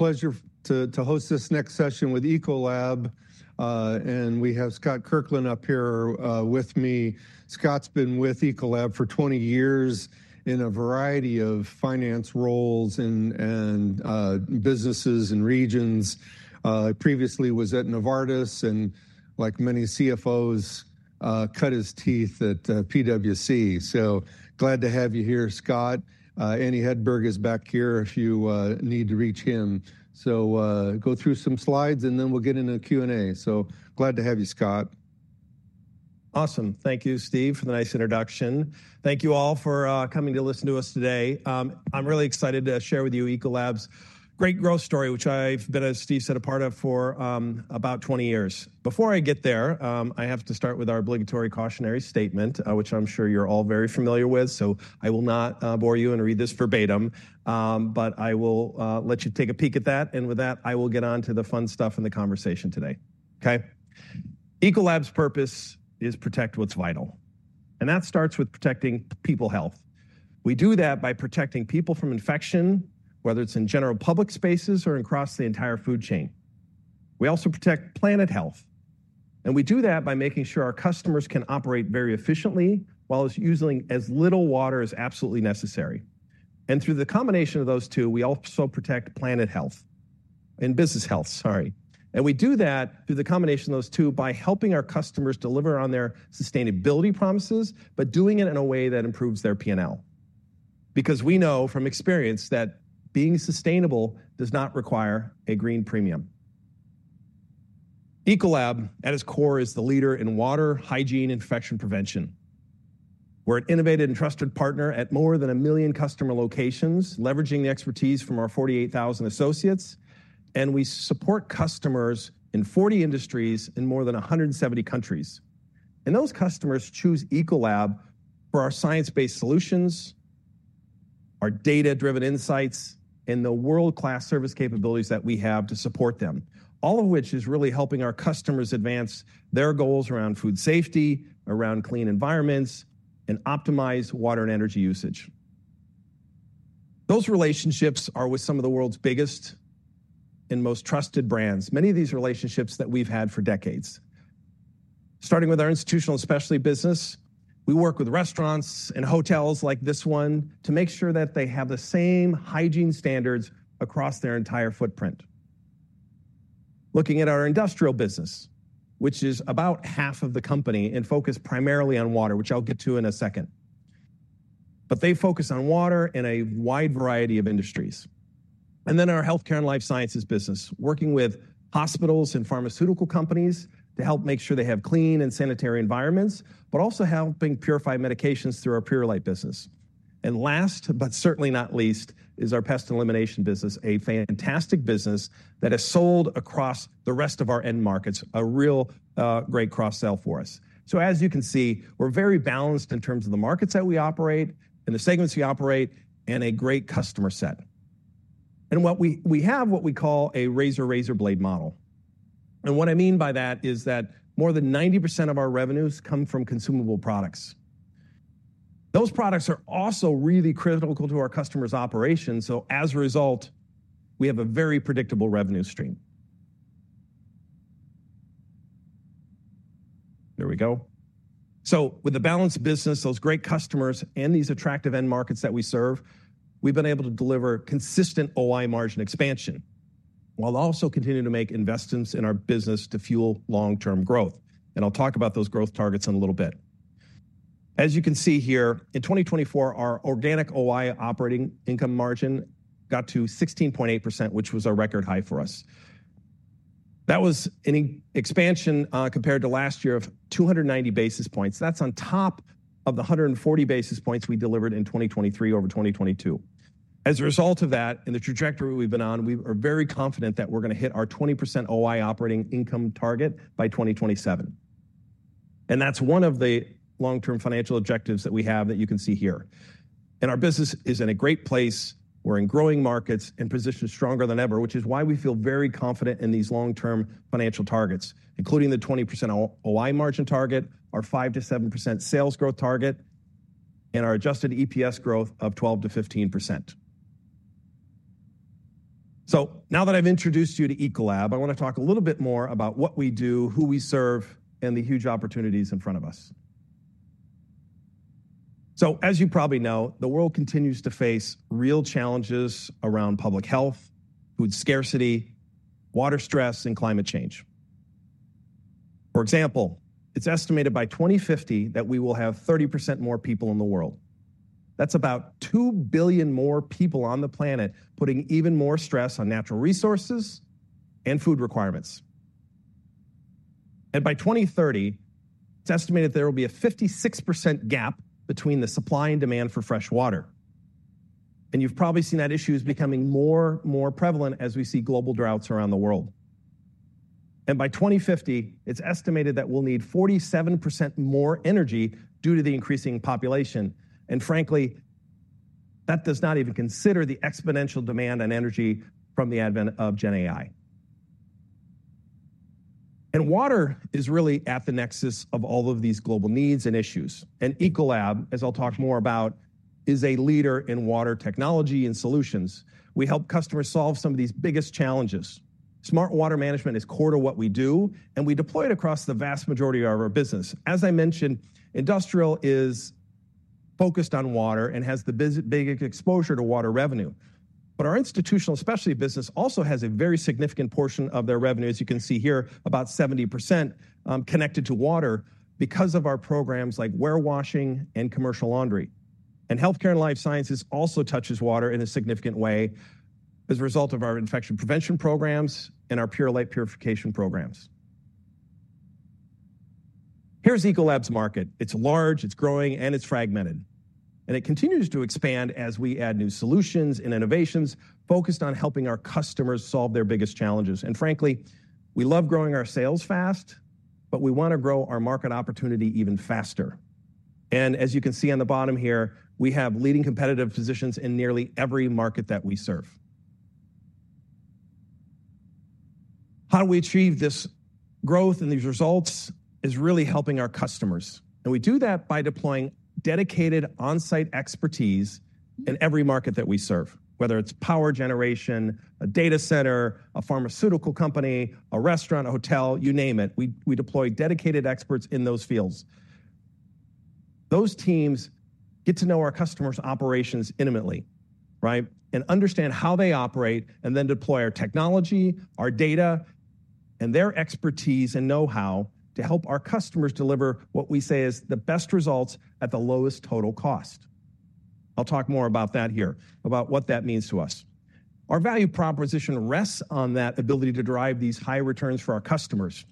Speaker 1: It's a pleasure to host this next session with Ecolab, and we have Scott Kirkland up here with me. Scott's been with Ecolab for 20 years in a variety of finance roles and businesses and regions. He previously was at Novartis and, like many CFOs, cut his teeth at PwC. So glad to have you here, Scott. Andy Hedberg is back here if you need to reach him. So, go through some slides and then we'll get into a Q and A. So glad to have you, Scott.
Speaker 4: Awesome. Thank you, Steve, for the nice introduction. Thank you all for coming to listen to us today. I'm really excited to share with you Ecolab's great growth story, which I've been, as Steve said, a part of for about 20 years. Before I get there, I have to start with our obligatory cautionary statement, which I'm sure you're all very familiar with. So I will not bore you and read this verbatim. But I will let you take a peek at that. And with that, I will get onto the fun stuff in the conversation today. Okay. Ecolab's purpose is protect what's vital. And that starts with protecting people's health. We do that by protecting people from infection, whether it's in general public spaces or across the entire food chain. We also protect planet health. And we do that by making sure our customers can operate very efficiently while using as little water as absolutely necessary. And through the combination of those two, we also protect planet health and business health, sorry. And we do that through the combination of those two by helping our customers deliver on their sustainability promises, but doing it in a way that improves their P&L. Because we know from experience that being sustainable does not require a green premium. Ecolab, at its core, is the leader in water, hygiene, Infection Prevention. We're an innovative and trusted partner at more than one million customer locations, leveraging the expertise from our 48,000 associates. And we support customers in 40 industries in more than 170 countries. Those customers choose Ecolab for our science-based solutions, our data-driven insights, and the world-class service capabilities that we have to support them, all of which is really helping our customers advance their goals around food safety, around clean environments, and optimize water and energy usage. Those relationships are with some of the world's biggest and most trusted brands, many of these relationships that we've had for decades. Starting with our institutional specialty business, we work with restaurants and hotels like this one to make sure that they have the same hygiene standards across their entire footprint. Looking at our industrial business, which is about half of the company and focused primarily on water, which I'll get to in a second, but they focus on water in a wide variety of industries. And then our Healthcare and Life Sciences business, working with hospitals and pharmaceutical companies to help make sure they have clean and sanitary environments, but also helping purify medications through our Purolite business. And last, but certainly not least, is our Pest Elimination business, a fantastic business that has sold across the rest of our end markets, a real, great cross-sell for us. So as you can see, we're very balanced in terms of the markets that we operate and the segments we operate and a great customer set. And what we have what we call a razor blade model. And what I mean by that is that more than 90% of our revenues come from consumable products. Those products are also really critical to our customers' operations. So as a result, we have a very predictable revenue stream. There we go. So with the balanced business, those great customers, and these attractive end markets that we serve, we've been able to deliver consistent OI margin expansion while also continuing to make investments in our business to fuel long-term growth. And I'll talk about those growth targets in a little bit. As you can see here, in 2024, our organic OI operating income margin got to 16.8%, which was a record high for us. That was an expansion, compared to last year of 290 basis points. That's on top of the 140 basis points we delivered in 2023 over 2022. As a result of that, in the trajectory we've been on, we are very confident that we're gonna hit our 20% OI operating income target by 2027. And that's one of the long-term financial objectives that we have that you can see here. And our business is in a great place. We're in growing markets and positioned stronger than ever, which is why we feel very confident in these long-term financial targets, including the 20% OI margin target, our 5%-7% sales growth target, and our adjusted EPS growth of 12%-15%. So now that I've introduced you to Ecolab, I wanna talk a little bit more about what we do, who we serve, and the huge opportunities in front of us. So as you probably know, the world continues to face real challenges around public health, food scarcity, water stress, and climate change. For example, it's estimated by 2050 that we will have 30% more people in the world. That's about 2 billion more people on the planet putting even more stress on natural resources and food requirements, and by 2030, it's estimated that there will be a 56% gap between the supply and demand for freshwater. And you've probably seen that issue is becoming more and more prevalent as we see global droughts around the world. And by 2050, it's estimated that we'll need 47% more energy due to the increasing population. And frankly, that does not even consider the exponential demand on energy from the advent of GenAI. And water is really at the nexus of all of these global needs and issues. And Ecolab, as I'll talk more about, is a leader in water technology and solutions. We help customers solve some of these biggest challenges. Smart water management is core to what we do, and we deploy it across the vast majority of our business. As I mentioned, industrial is focused on water and has the biggest exposure to water revenue. But our institutional specialty business also has a very significant portion of their revenue, as you can see here, about 70%, connected to water because of our programs like warewashing and commercial laundry. And healthcare and life sciences also touch water in a significant way as a result of our infection prevention programs and our Purolite purification programs. Here's Ecolab's market. It's large, it's growing, and it's fragmented. And it continues to expand as we add new solutions and innovations focused on helping our customers solve their biggest challenges. And frankly, we love growing our sales fast, but we wanna grow our market opportunity even faster. And as you can see on the bottom here, we have leading competitive positions in nearly every market that we serve. How do we achieve this growth and these results? It's really helping our customers. We do that by deploying dedicated onsite expertise in every market that we serve, whether it's power generation, a data center, a pharmaceutical company, a restaurant, a hotel, you name it. We deploy dedicated experts in those fields. Those teams get to know our customers' operations intimately, right? And understand how they operate and then deploy our technology, our data, and their expertise and know-how to help our customers deliver what we say is the best results at the lowest total cost. I'll talk more about that here, about what that means to us. Our value proposition rests on that ability to drive these high returns for our customers.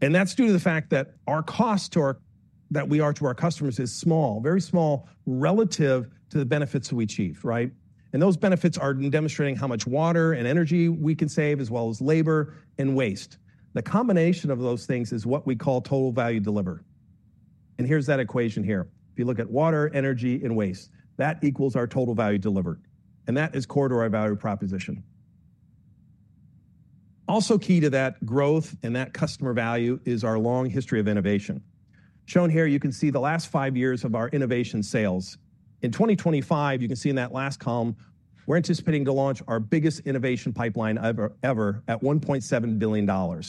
Speaker 4: And that's due to the fact that our cost to our customers is small, very small relative to the benefits that we achieve, right? And those benefits are demonstrating how much water and energy we can save, as well as labor and waste. The combination of those things is what we call Total Value Delivered. And here's that equation here. If you look at water, energy, and waste, that equals our Total Value Delivered. And that is core to our value proposition. Also key to that growth and that customer value is our long history of innovation. Shown here, you can see the last five years of our innovation sales. In 2025, you can see in that last column, we're anticipating to launch our biggest innovation pipeline ever at $1.7 billion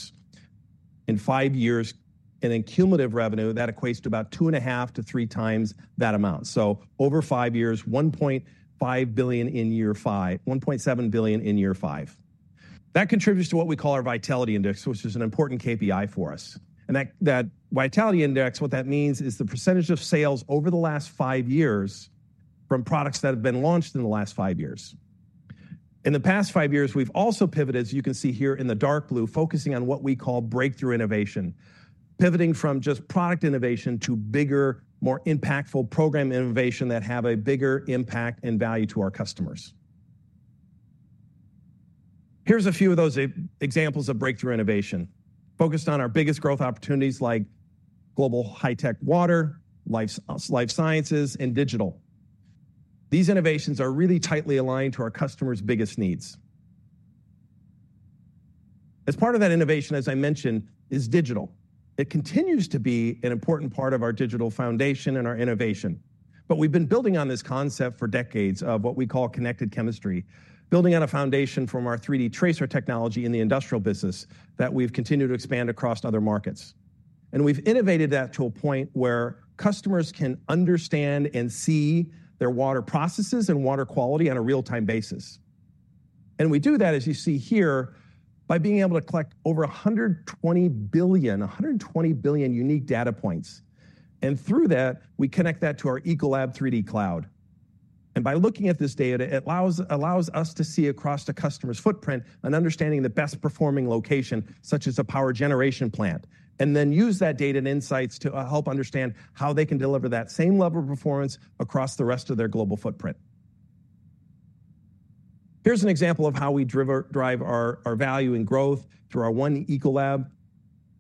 Speaker 4: in five years. And then cumulative revenue that equates to about two and a half to three times that amount. So over five years, $1.5 billion in year five, $1.7 billion in year five. That contributes to what we call our Vitality Index, which is an important KPI for us. And that vitality index, what that means is the percentage of sales over the last five years from products that have been launched in the last five years. In the past five years, we've also pivoted, as you can see here in the dark blue, focusing on what we call breakthrough innovation, pivoting from just product innovation to bigger, more impactful program innovation that have a bigger impact and value to our customers. Here's a few of those examples of breakthrough innovation focused on our biggest growth opportunities like Global High Tech water, life sciences, and digital. These innovations are really tightly aligned to our customers' biggest needs. As part of that innovation, as I mentioned, is digital. It continues to be an important part of our digital foundation and our innovation. But we've been building on this concept for decades of what we call connected chemistry, building on a foundation from our 3D TRASAR technology in the industrial business that we've continued to expand across other markets. And we've innovated that to a point where customers can understand and see their water processes and water quality on a real-time basis. And we do that, as you see here, by being able to collect over 120 billion, 120 billion unique data points. And through that, we connect that to our Ecolab 3D cloud. And by looking at this data, it allows us to see across the customer's footprint and understanding the best performing location, such as a power generation plant, and then use that data and insights to help understand how they can deliver that same level of performance across the rest of their global footprint. Here's an example of how we drive our value and growth through our One Ecolab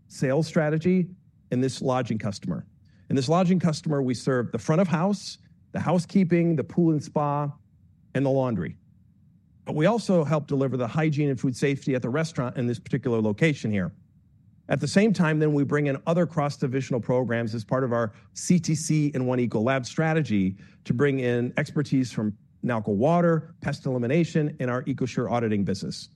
Speaker 4: sales strategy and this lodging customer. In this lodging customer, we serve the front of house, the housekeeping, the pool and spa, and the laundry, but we also help deliver the hygiene and food safety at the restaurant in this particular location here. At the same time, then we bring in other cross-divisional programs as part of our CTC and One Ecolab strategy to bring in expertise from Nalco Water, pest elimination, and our EcoSure auditing business.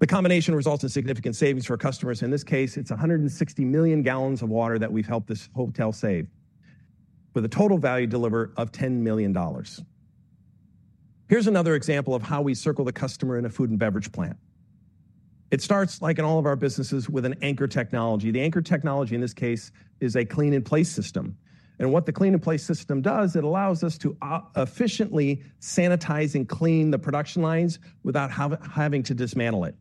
Speaker 4: The combination results in significant savings for our customers. In this case, it's 160 million gallons of water that we've helped this hotel save with a total value delivered of $10 million. Here's another example of how we circle the customer in a Food and Beverage plant. It starts like in all of our businesses with an anchor technology. The anchor technology in this case is a clean-in-place system. And what the clean-in-place system does, it allows us to efficiently sanitize and clean the production lines without having to dismantle it.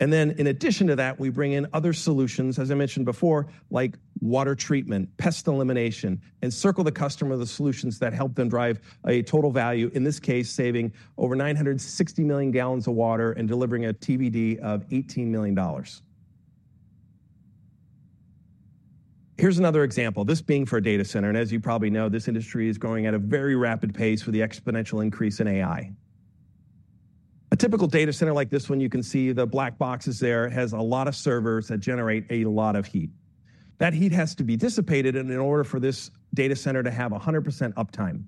Speaker 4: And then in addition to that, we bring in other solutions, as I mentioned before, like water treatment, pest elimination, and circle the customer with the solutions that help them drive a total value, in this case, saving over 960 million gallons of water and delivering a TVD of $18 million. Here's another example, this being for a data center. And as you probably know, this industry is growing at a very rapid pace with the exponential increase in AI. A typical data center like this one, you can see the black boxes there, has a lot of servers that generate a lot of heat. That heat has to be dissipated in order for this data center to have 100% uptime.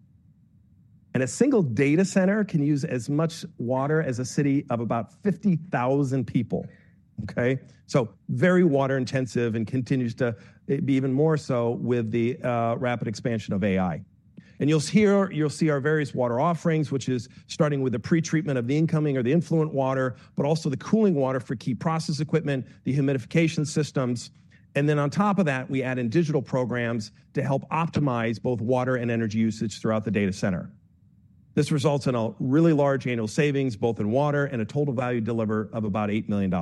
Speaker 4: And a single data center can use as much water as a city of about 50,000 people. Okay? So very water intensive and continues to be even more so with the rapid expansion of AI. And you'll see here, you'll see our various water offerings, which is starting with the pre-treatment of the incoming or the influent water, but also the cooling water for key process equipment, the humidification systems. And then on top of that, we add in digital programs to help optimize both water and energy usage throughout the data center. This results in a really large annual savings, both in water and a total value delivered of about $8 million.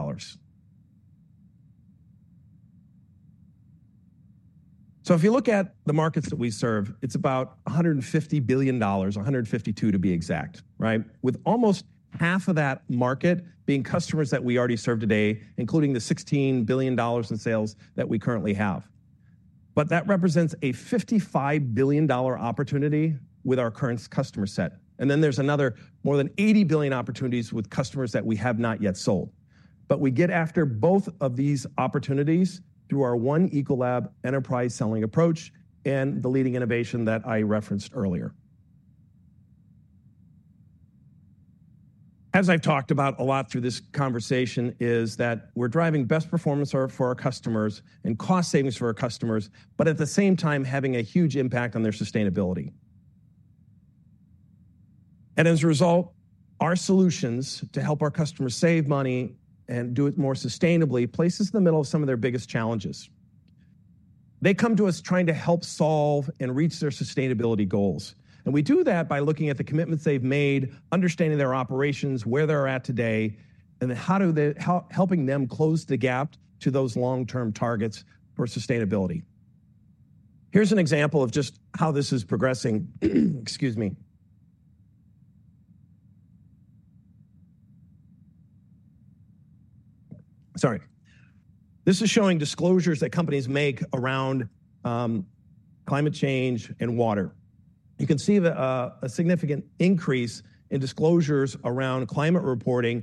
Speaker 4: So if you look at the markets that we serve, it's about $150 billion, $152 to be exact, right? With almost half of that market being customers that we already serve today, including the $16 billion in sales that we currently have, but that represents a $55 billion opportunity with our current customer set, and then there's another more than $80 billion opportunities with customers that we have not yet sold, but we go after both of these opportunities through our one Ecolab enterprise selling approach and the leading innovation that I referenced earlier. As I've talked about a lot through this conversation, is that we're driving best performance for our customers and cost savings for our customers, but at the same time, having a huge impact on their sustainability, and as a result, our solutions to help our customers save money and do it more sustainably place us in the middle of some of their biggest challenges. They come to us trying to help solve and reach their sustainability goals. And we do that by looking at the commitments they've made, understanding their operations, where they're at today, and then helping them close the gap to those long-term targets for sustainability. Here's an example of just how this is progressing. Excuse me. Sorry. This is showing disclosures that companies make around climate change and water. You can see a significant increase in disclosures around climate reporting,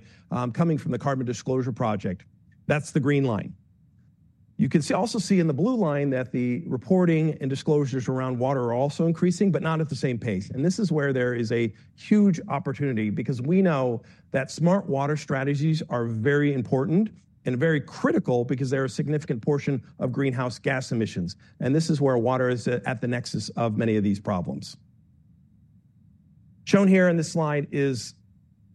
Speaker 4: coming from the Carbon Disclosure Project. That's the green line. You can also see in the blue line that the reporting and disclosures around water are also increasing, but not at the same pace. And this is where there is a huge opportunity because we know that smart water strategies are very important and very critical because they're a significant portion of greenhouse gas emissions. This is where water is at the nexus of many of these problems. Shown here on this slide is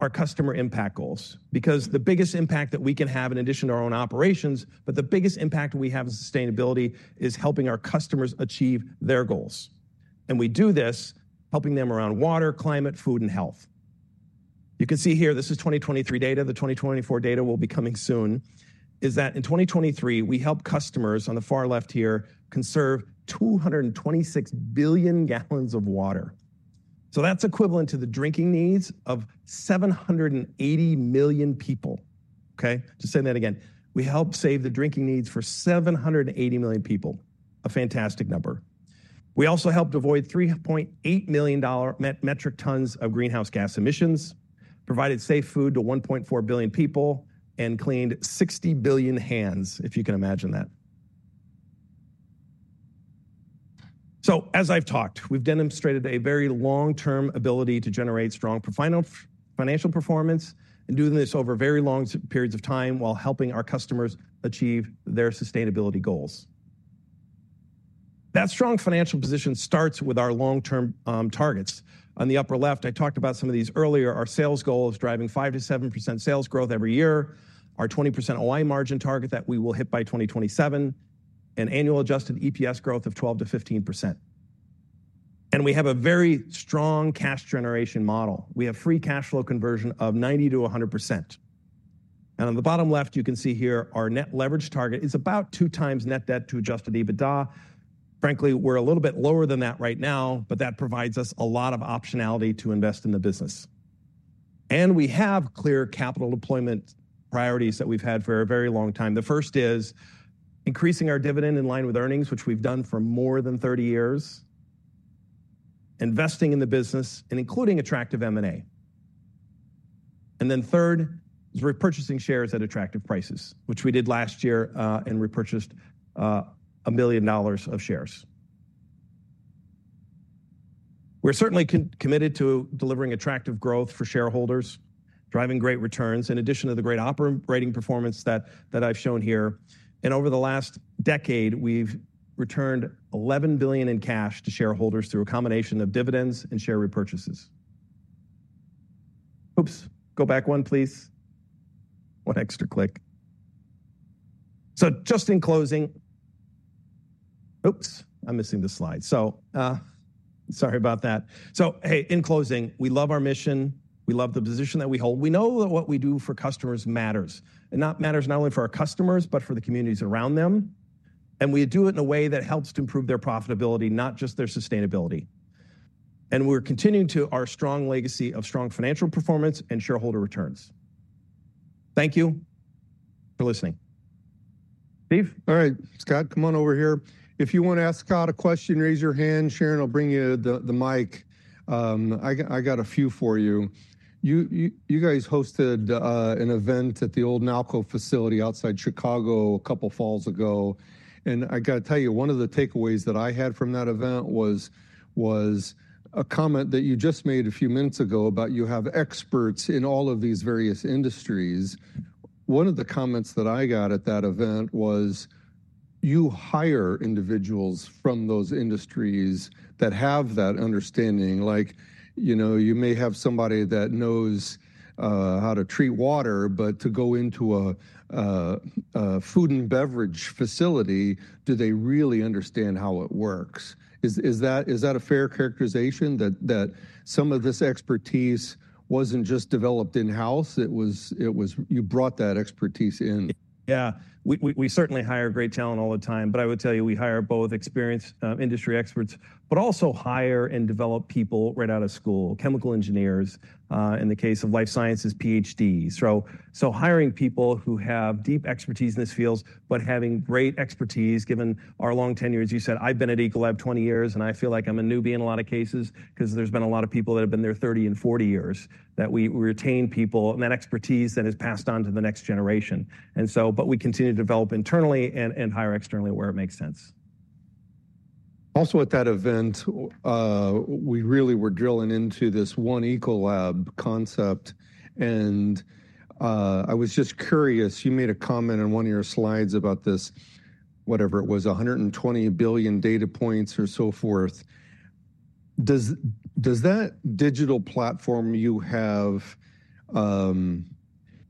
Speaker 4: our customer impact goals, because the biggest impact that we can have in addition to our own operations, but the biggest impact we have in sustainability is helping our customers achieve their goals. We do this helping them around water, climate, food, and health. You can see here, this is 2023 data. The 2024 data will be coming soon. In 2023, we helped customers on the far left here conserve 226 billion gallons of water. So that's equivalent to the drinking needs of 780 million people. Okay? Just saying that again. We helped save the drinking needs for 780 million people, a fantastic number. We also helped avoid $3.8 million metric tons of greenhouse gas emissions, provided safe food to 1.4 billion people, and cleaned 60 billion hands, if you can imagine that. So, as I've talked, we've demonstrated a very long-term ability to generate strong financial performance and do this over very long periods of time while helping our customers achieve their sustainability goals. That strong financial position starts with our long-term targets. On the upper left, I talked about some of these earlier, our sales goal of driving 5-7% sales growth every year, our 20% OI margin target that we will hit by 2027, and annual adjusted EPS growth of 12-15%. And we have a very strong cash generation model. We have free cash flow conversion of 90-100%. On the bottom left, you can see here our net leverage target is about two times net debt to adjusted EBITDA. Frankly, we're a little bit lower than that right now, but that provides us a lot of optionality to invest in the business. We have clear capital deployment priorities that we've had for a very long time. The first is increasing our dividend in line with earnings, which we've done for more than 30 years, investing in the business, and including attractive M&A. The third is repurchasing shares at attractive prices, which we did last year, and repurchased $1 million of shares. We're certainly committed to delivering attractive growth for shareholders, driving great returns in addition to the great operating performance that I've shown here. And over the last decade, we've returned $11 billion in cash to shareholders through a combination of dividends and share repurchases. Oops, go back one, please. One extra click. So just in closing, oops, I'm missing the slide. So, sorry about that. So, hey, in closing, we love our mission. We love the position that we hold. We know that what we do for customers matters, and that matters not only for our customers, but for the communities around them. And we do it in a way that helps to improve their profitability, not just their sustainability. And we're continuing to our strong legacy of strong financial performance and shareholder returns. Thank you for listening. Steve?
Speaker 1: All right, Scott, come on over here. If you want to ask Scott a question, raise your hand. Sharon will bring you the mic. I got a few for you. You guys hosted an event at the old Nalco facility outside Chicago a couple falls ago. And I got to tell you, one of the takeaways that I had from that event was a comment that you just made a few minutes ago about you have experts in all of these various industries. One of the comments that I got at that event was you hire individuals from those industries that have that understanding. Like, you know, you may have somebody that knows how to treat water, but to go into a food and beverage facility, do they really understand how it works? Is that a fair characterization that some of this expertise wasn't just developed in-house? It was you brought that expertise in.
Speaker 4: Yeah, we certainly hire great talent all the time, but I would tell you we hire both experienced industry experts, but also hire and develop people right out of school, chemical engineers, in the case of life sciences, PhDs. So hiring people who have deep expertise in these fields, but having great expertise, given our long tenure, as you said, I've been at Ecolab 20 years, and I feel like I'm a newbie in a lot of cases because there's been a lot of people that have been there 30 and 40 years that we retain people and that expertise that has passed on to the next generation. And so, but we continue to develop internally and hire externally where it makes sense. Also, at that event, we really were drilling into this one Ecolab concept. I was just curious. You made a comment on one of your slides about this, whatever it was, 120 billion data points or so forth. Does that digital platform you have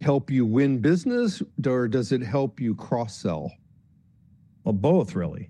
Speaker 4: help you win business, or does it help you cross-sell? Well, both, really.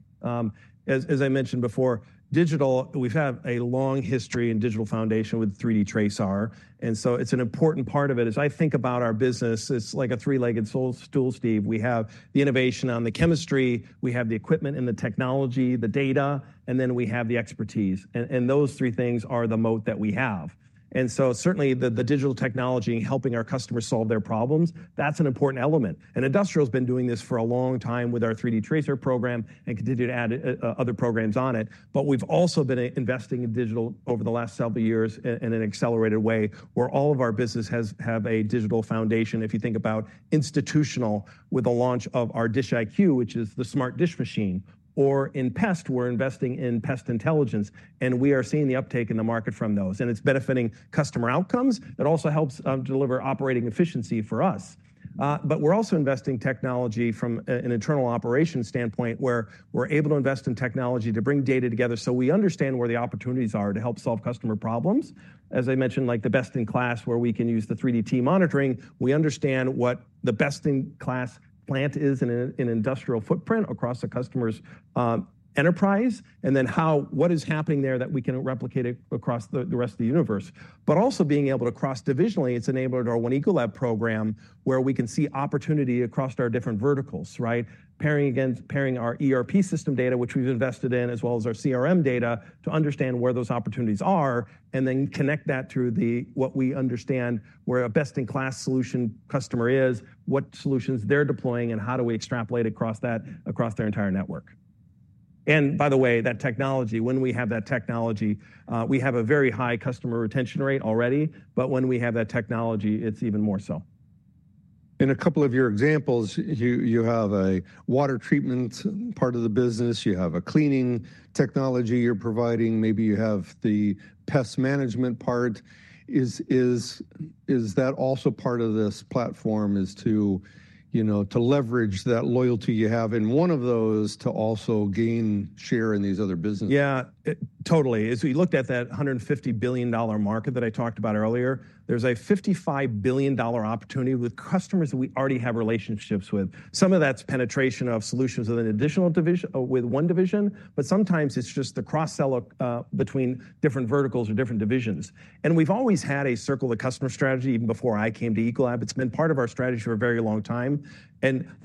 Speaker 4: As I mentioned before, digital, we've had a long history in digital foundation with 3D TRASAR. And so it's an important part of it. As I think about our business, it's like a three-legged stool, Steve. We have the innovation on the chemistry, we have the equipment and the technology, the data, and then we have the expertise. And those three things are the moat that we have. And so certainly the digital technology and helping our customers solve their problems, that's an important element. Industrial has been doing this for a long time with our 3D TRASAR program and continued to add other programs on it. But we've also been investing in digital over the last several years in an accelerated way where all of our businesses have a digital foundation. If you think about institutional with the launch of our DishIQ, which is the smart dish machine, or in pest, we're investing in Pest Intelligence. We are seeing the uptake in the market from those. It's benefiting customer outcomes. It also helps deliver operating efficiency for us. But we're also investing in technology from an internal operations standpoint where we're able to invest in technology to bring data together so we understand where the opportunities are to help solve customer problems. As I mentioned, like the best in class where we can use the 3D TRASAR monitoring, we understand what the best in class plant is in an industrial footprint across the customer's enterprise and then how what is happening there that we can replicate it across the rest of the universe. But also being able to cross-divisionally, it's enabled our one Ecolab program where we can see opportunity across our different verticals, right? Pairing our ERP system data, which we've invested in, as well as our CRM data to understand where those opportunities are and then connect that to what we understand where a best in class solution customer is, what solutions they're deploying and how do we extrapolate across that their entire network. By the way, that technology, when we have that technology, we have a very high customer retention rate already, but when we have that technology, it's even more so.
Speaker 1: In a couple of your examples, you have a water treatment part of the business, you have a cleaning technology you're providing, maybe you have the pest management part. Is that also part of this platform to, you know, to leverage that loyalty you have in one of those to also gain share in these other businesses?
Speaker 4: Yeah, totally. As we looked at that $150 billion market that I talked about earlier, there's a $55 billion opportunity with customers that we already have relationships with. Some of that's penetration of solutions with an additional division with one division, but sometimes it's just the cross-sell between different verticals or different divisions. We've always had a circle of customer strategy even before I came to Ecolab. It's been part of our strategy for a very long time.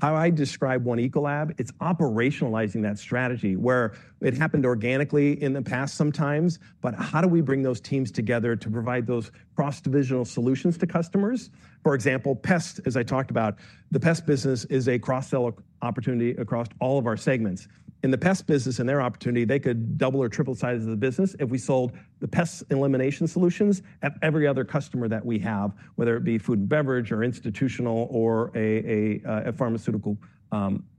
Speaker 4: How I describe one Ecolab, it's operationalizing that strategy where it happened organically in the past sometimes, but how do we bring those teams together to provide those cross-divisional solutions to customers? For example, pest, as I talked about, the pest business is a cross-sell opportunity across all of our segments. In the pest business and their opportunity, they could double or triple size of the business if we sold the pest elimination solutions at every other customer that we have, whether it be food and beverage or institutional or a pharmaceutical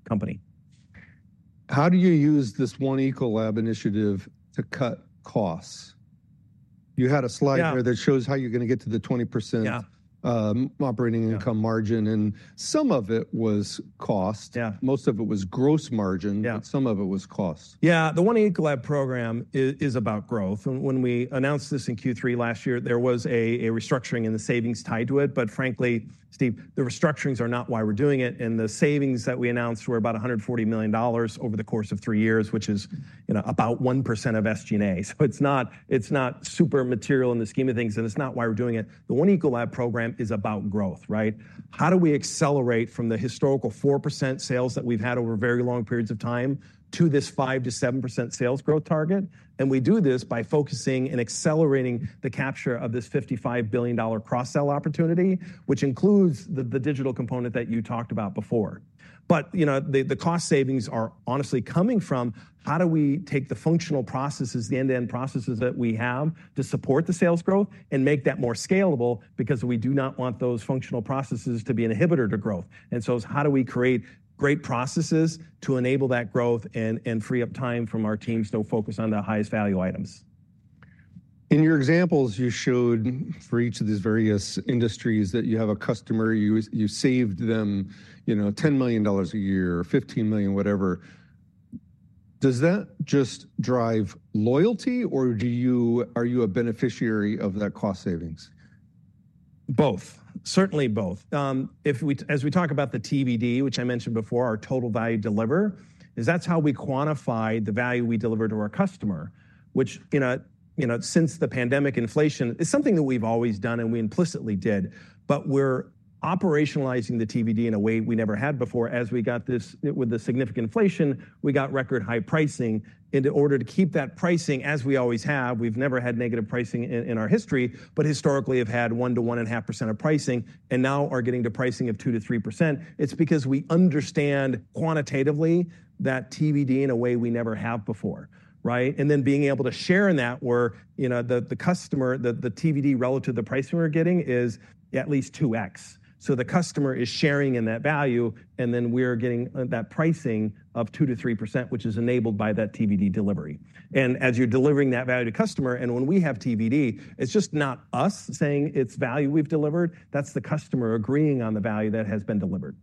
Speaker 4: company.
Speaker 1: How do you use this one Ecolab initiative to cut costs? You had a slide there that shows how you're going to get to the 20% operating income margin, and some of it was cost. Yeah, most of it was gross margin, but some of it was cost.
Speaker 4: Yeah, the One Ecolab program is about growth. When we announced this in Q3 last year, there was a restructuring in the savings tied to it. But frankly, Steve, the restructurings are not why we're doing it. The savings that we announced were about $140 million over the course of three years, which is, you know, about 1% of SG&A. So it's not super material in the scheme of things, and it's not why we're doing it. The One Ecolab program is about growth, right? How do we accelerate from the historical 4% sales that we've had over very long periods of time to this 5%-7% sales growth target? And we do this by focusing and accelerating the capture of this $55 billion cross-sell opportunity, which includes the digital component that you talked about before. But, you know, the cost savings are honestly coming from how do we take the functional processes, the end-to-end processes that we have to support the sales growth and make that more scalable because we do not want those functional processes to be an inhibitor to growth. And so it's how do we create great processes to enable that growth and free up time from our teams to focus on the highest value items.
Speaker 1: In your examples, you showed for each of these various industries that you have a customer, you saved them, you know, $10 million a year, $15 million, whatever. Does that just drive loyalty, or are you a beneficiary of that cost savings?
Speaker 4: Both. Certainly both. If we, as we talk about the TBD, which I mentioned before, our total value delivered, is that's how we quantify the value we deliver to our customer, which, you know, since the pandemic inflation, it's something that we've always done and we implicitly did, but we're operationalizing the TBD in a way we never had before. As we got this with the significant inflation, we got record high pricing. And in order to keep that pricing, as we always have, we've never had negative pricing in our history, but historically have had 1-1.5% of pricing and now are getting to pricing of 2-3%. It's because we understand quantitatively that TBD in a way we never have before, right? And then being able to share in that where, you know, the customer, the TBD relative to the price we're getting is at least 2x. So the customer is sharing in that value, and then we're getting that pricing of 2-3%, which is enabled by that TBD delivery. And as you're delivering that value to customer, and when we have TBD, it's just not us saying it's value we've delivered. That's the customer agreeing on the value that has been delivered.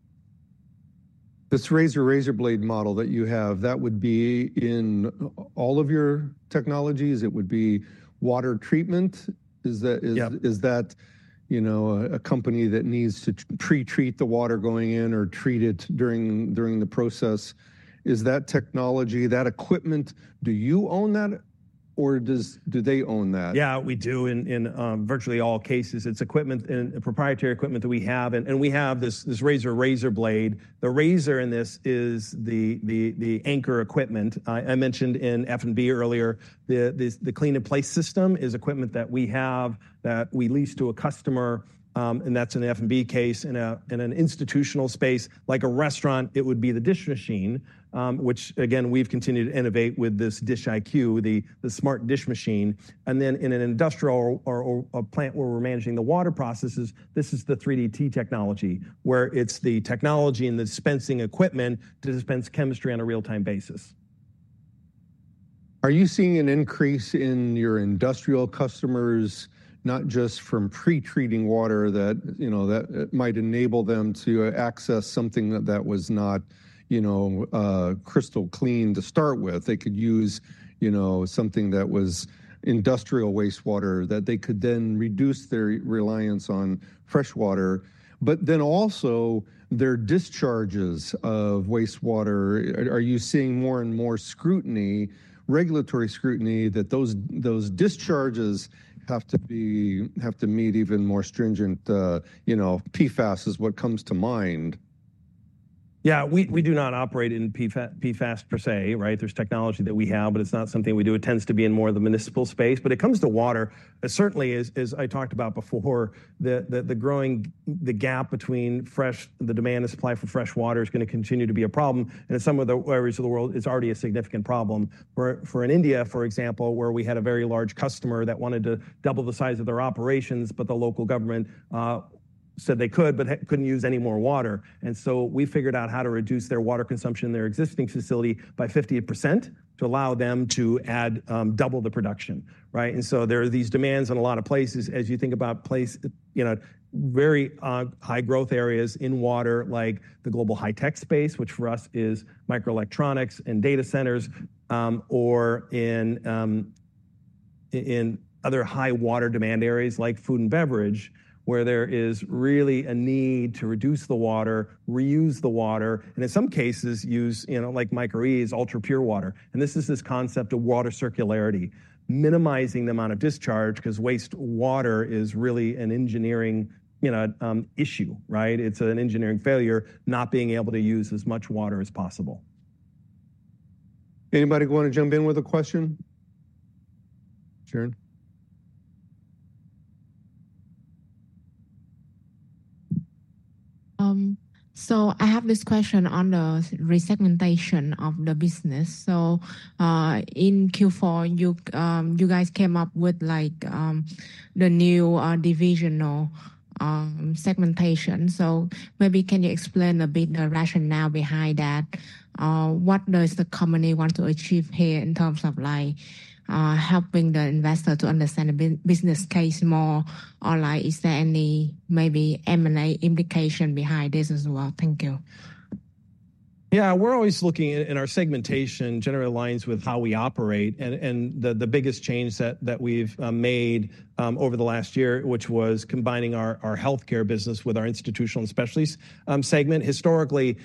Speaker 1: This razor-blade model that you have, that would be in all of your technologies. It would be water treatment. Is that, you know, a company that needs to pre-treat the water going in or treat it during the process? Is that technology, that equipment, do you own that or do they own that?
Speaker 4: Yeah, we do in virtually all cases. It's equipment and proprietary equipment that we have. And we have this razor-blade. The razor in this is the anchor equipment. I mentioned in F&B earlier, the clean-in-place system is equipment that we have that we lease to a customer. And that's an F&B case in an institutional space, like a restaurant, it would be the dish machine, which again, we've continued to innovate with this DishIQ, the smart dish machine. In an industrial or a plant where we're managing the water processes, this is the 3D TRASAR technology where it's the technology and the dispensing equipment to dispense chemistry on a real-time basis.
Speaker 1: Are you seeing an increase in your industrial customers, not just from pre-treating water that, you know, that might enable them to access something that was not, you know, crystal clean to start with? They could use, you know, something that was industrial wastewater that they could then reduce their reliance on freshwater. But then also their discharges of wastewater, are you seeing more and more scrutiny, regulatory scrutiny that those discharges have to meet even more stringent, you know, PFAS is what comes to mind.
Speaker 4: Yeah, we do not operate in PFAS per se, right? There's technology that we have, but it's not something we do. It tends to be in more of the municipal space, but it comes to water. It certainly, as I talked about before, the growing gap between fresh water demand and supply for fresh water is going to continue to be a problem. And in some of the areas of the world, it's already a significant problem. For instance in India, for example, where we had a very large customer that wanted to double the size of their operations, but the local government said they could, but couldn't use any more water. And so we figured out how to reduce their water consumption in their existing facility by 50% to allow them to add, double the production, right? And so there are these demands in a lot of places. As you think about plays, you know, very high growth areas in water like the global high-tech space, which for us is microelectronics and data centers, or in other high water demand areas like food and beverage, where there is really a need to reduce the water, reuse the water, and in some cases use, you know, like MicroE, ultra pure water. And this is the concept of water circularity, minimizing the amount of discharge because waste water is really an engineering, you know, issue, right? It's an engineering failure, not being able to use as much water as possible. Anybody want to jump in with a question? Sharon? So I have this question on the re-segmentation of the business. So, in Q4, you guys came up with like, the new, divisional, segmentation. So maybe can you explain a bit the rationale behind that? What does the company want to achieve here in terms of like, helping the investor to understand the business case more? Or like, is there any maybe M&A implication behind this as well? Thank you. Yeah, we're always looking in our segmentation generally aligns with how we operate, and the biggest change that we've made over the last year, which was combining our healthcare business with our institutional and specialties segment. Historically,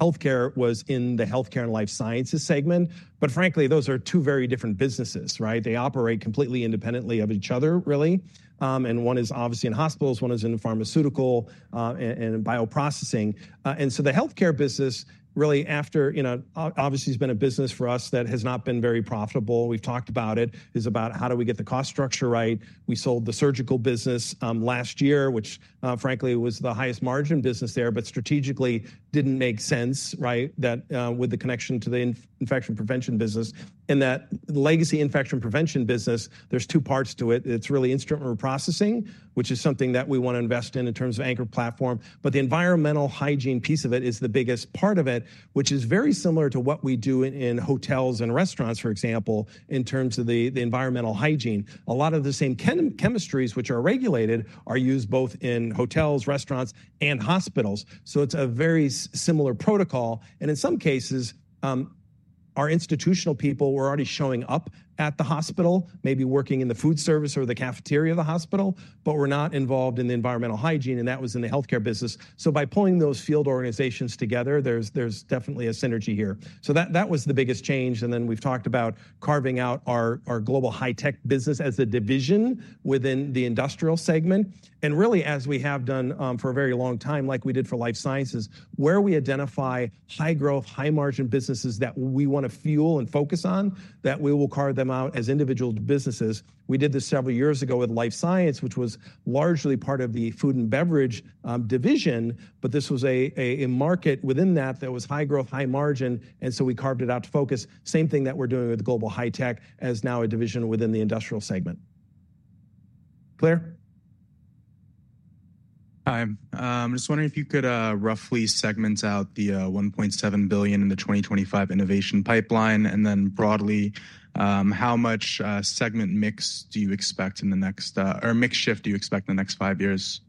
Speaker 4: healthcare was in the healthcare and life sciences segment, but frankly, those are two very different businesses, right? They operate completely independently of each other, really, and one is obviously in hospitals, one is in pharmaceutical and bioprocessing, and so the healthcare business really after, you know, obviously has been a business for us that has not been very profitable. We've talked about it. It's about how do we get the cost structure right? We sold the Surgical business last year, which frankly was the highest margin business there, but strategically didn't make sense, right? That, with the connection to the infection prevention business and that legacy infection prevention business, there's two parts to it. It's really instrumental processing, which is something that we want to invest in in terms of anchor platform. But the environmental hygiene piece of it is the biggest part of it, which is very similar to what we do in hotels and restaurants, for example, in terms of the environmental hygiene. A lot of the same chemistries, which are regulated, are used both in hotels, restaurants, and hospitals. So it's a very similar protocol. And in some cases, our institutional people were already showing up at the hospital, maybe working in the food service or the cafeteria of the hospital, but we're not involved in the environmental hygiene, and that was in the healthcare business. So by pulling those field organizations together, there's definitely a synergy here. So that was the biggest change. And then we've talked about carving out our global high-tech business as a division within the industrial segment. And really, as we have done for a very long time, like we did for life sciences, where we identify high-growth, high-margin businesses that we want to fuel and focus on, that we will carve them out as individual businesses. We did this several years ago with life science, which was largely part of the food and beverage division, but this was a market within that that was high-growth, high-margin. And so we carved it out to focus. Same thing that we're doing with global high-tech as now a division within the industrial segment. Claire? Hi. I'm just wondering if you could roughly segment out the $1.7 billion in the 2025 innovation pipeline and then broadly, how much segment mix do you expect in the next, or mixed shift do you expect in the next five years?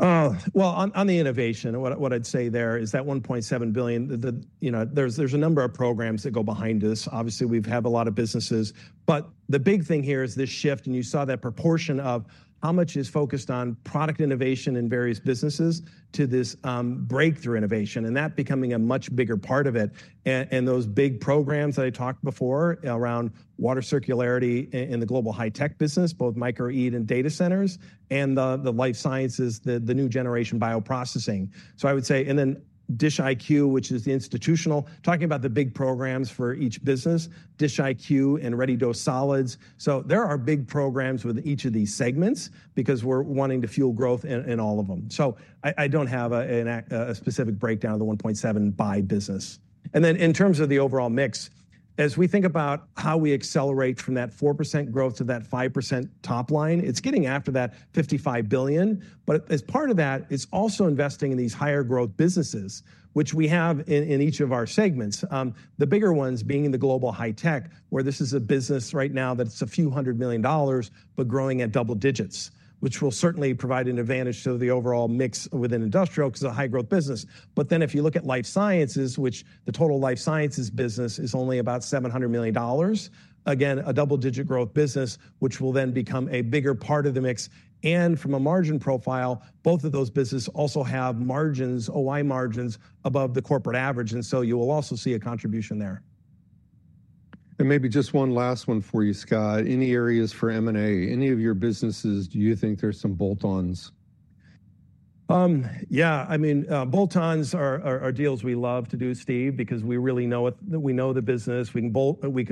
Speaker 4: Well, on the innovation, what I'd say there is that $1.7 billion, you know, there's a number of programs that go behind this. Obviously, we've had a lot of businesses, but the big thing here is this shift, and you saw that proportion of how much is focused on product innovation in various businesses to this breakthrough innovation and that becoming a much bigger part of it. And those big programs that I talked before around water circularity in the global high-tech business, both MicroE and data centers and the life sciences, the new generation bioprocessing. So I would say, and then DishIQ, which is the institutional, talking about the big programs for each business, DishIQ and ready dose solids. So there are big programs with each of these segments because we're wanting to fuel growth in all of them. So I don't have a specific breakdown of the $1.7 billion by business. And then in terms of the overall mix, as we think about how we accelerate from that 4% growth to that 5% top line, it's getting after that $55 billion. But as part of that, it's also investing in these higher growth businesses, which we have in each of our segments. The bigger ones being in the global high-tech, where this is a business right now that's $a few hundred million, but growing at double digits, which will certainly provide an advantage to the overall mix within industrial because of the high-growth business. But then if you look at life sciences, which the total life sciences business is only about $700 million, again, a double-digit growth business, which will then become a bigger part of the mix. And from a margin profile, both of those businesses also have margins, OI margins above the corporate average. And so you will also see a contribution there. And maybe just one last one for you, Scott. Any areas for M&A? Any of your businesses do you think there's some bolt-ons? Yeah, I mean, bolt-ons are deals we love to do, Steve, because we really know it. We know the business. We can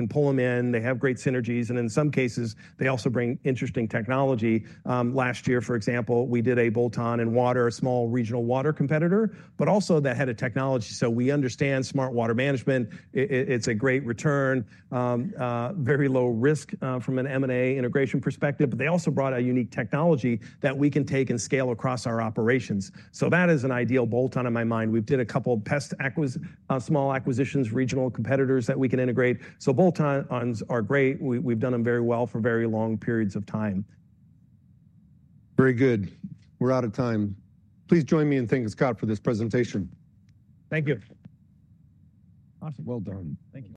Speaker 4: pull them in. They have great synergies. And in some cases, they also bring interesting technology. Last year, for example, we did a bolt-on in water, a small regional water competitor, but also that had a technology. So we understand smart water management. It's a great return, very low risk from an M&A integration perspective. But they also brought a unique technology that we can take and scale across our operations. So that is an ideal bolt-on in my mind. We've did a couple of small acquisitions, regional competitors that we can integrate. So bolt-ons are great. We've done them very well for very long periods of time. Very good. We're out of time. Please join me in thanking Scott for this presentation. Thank you. Awesome. Well done. Thank you.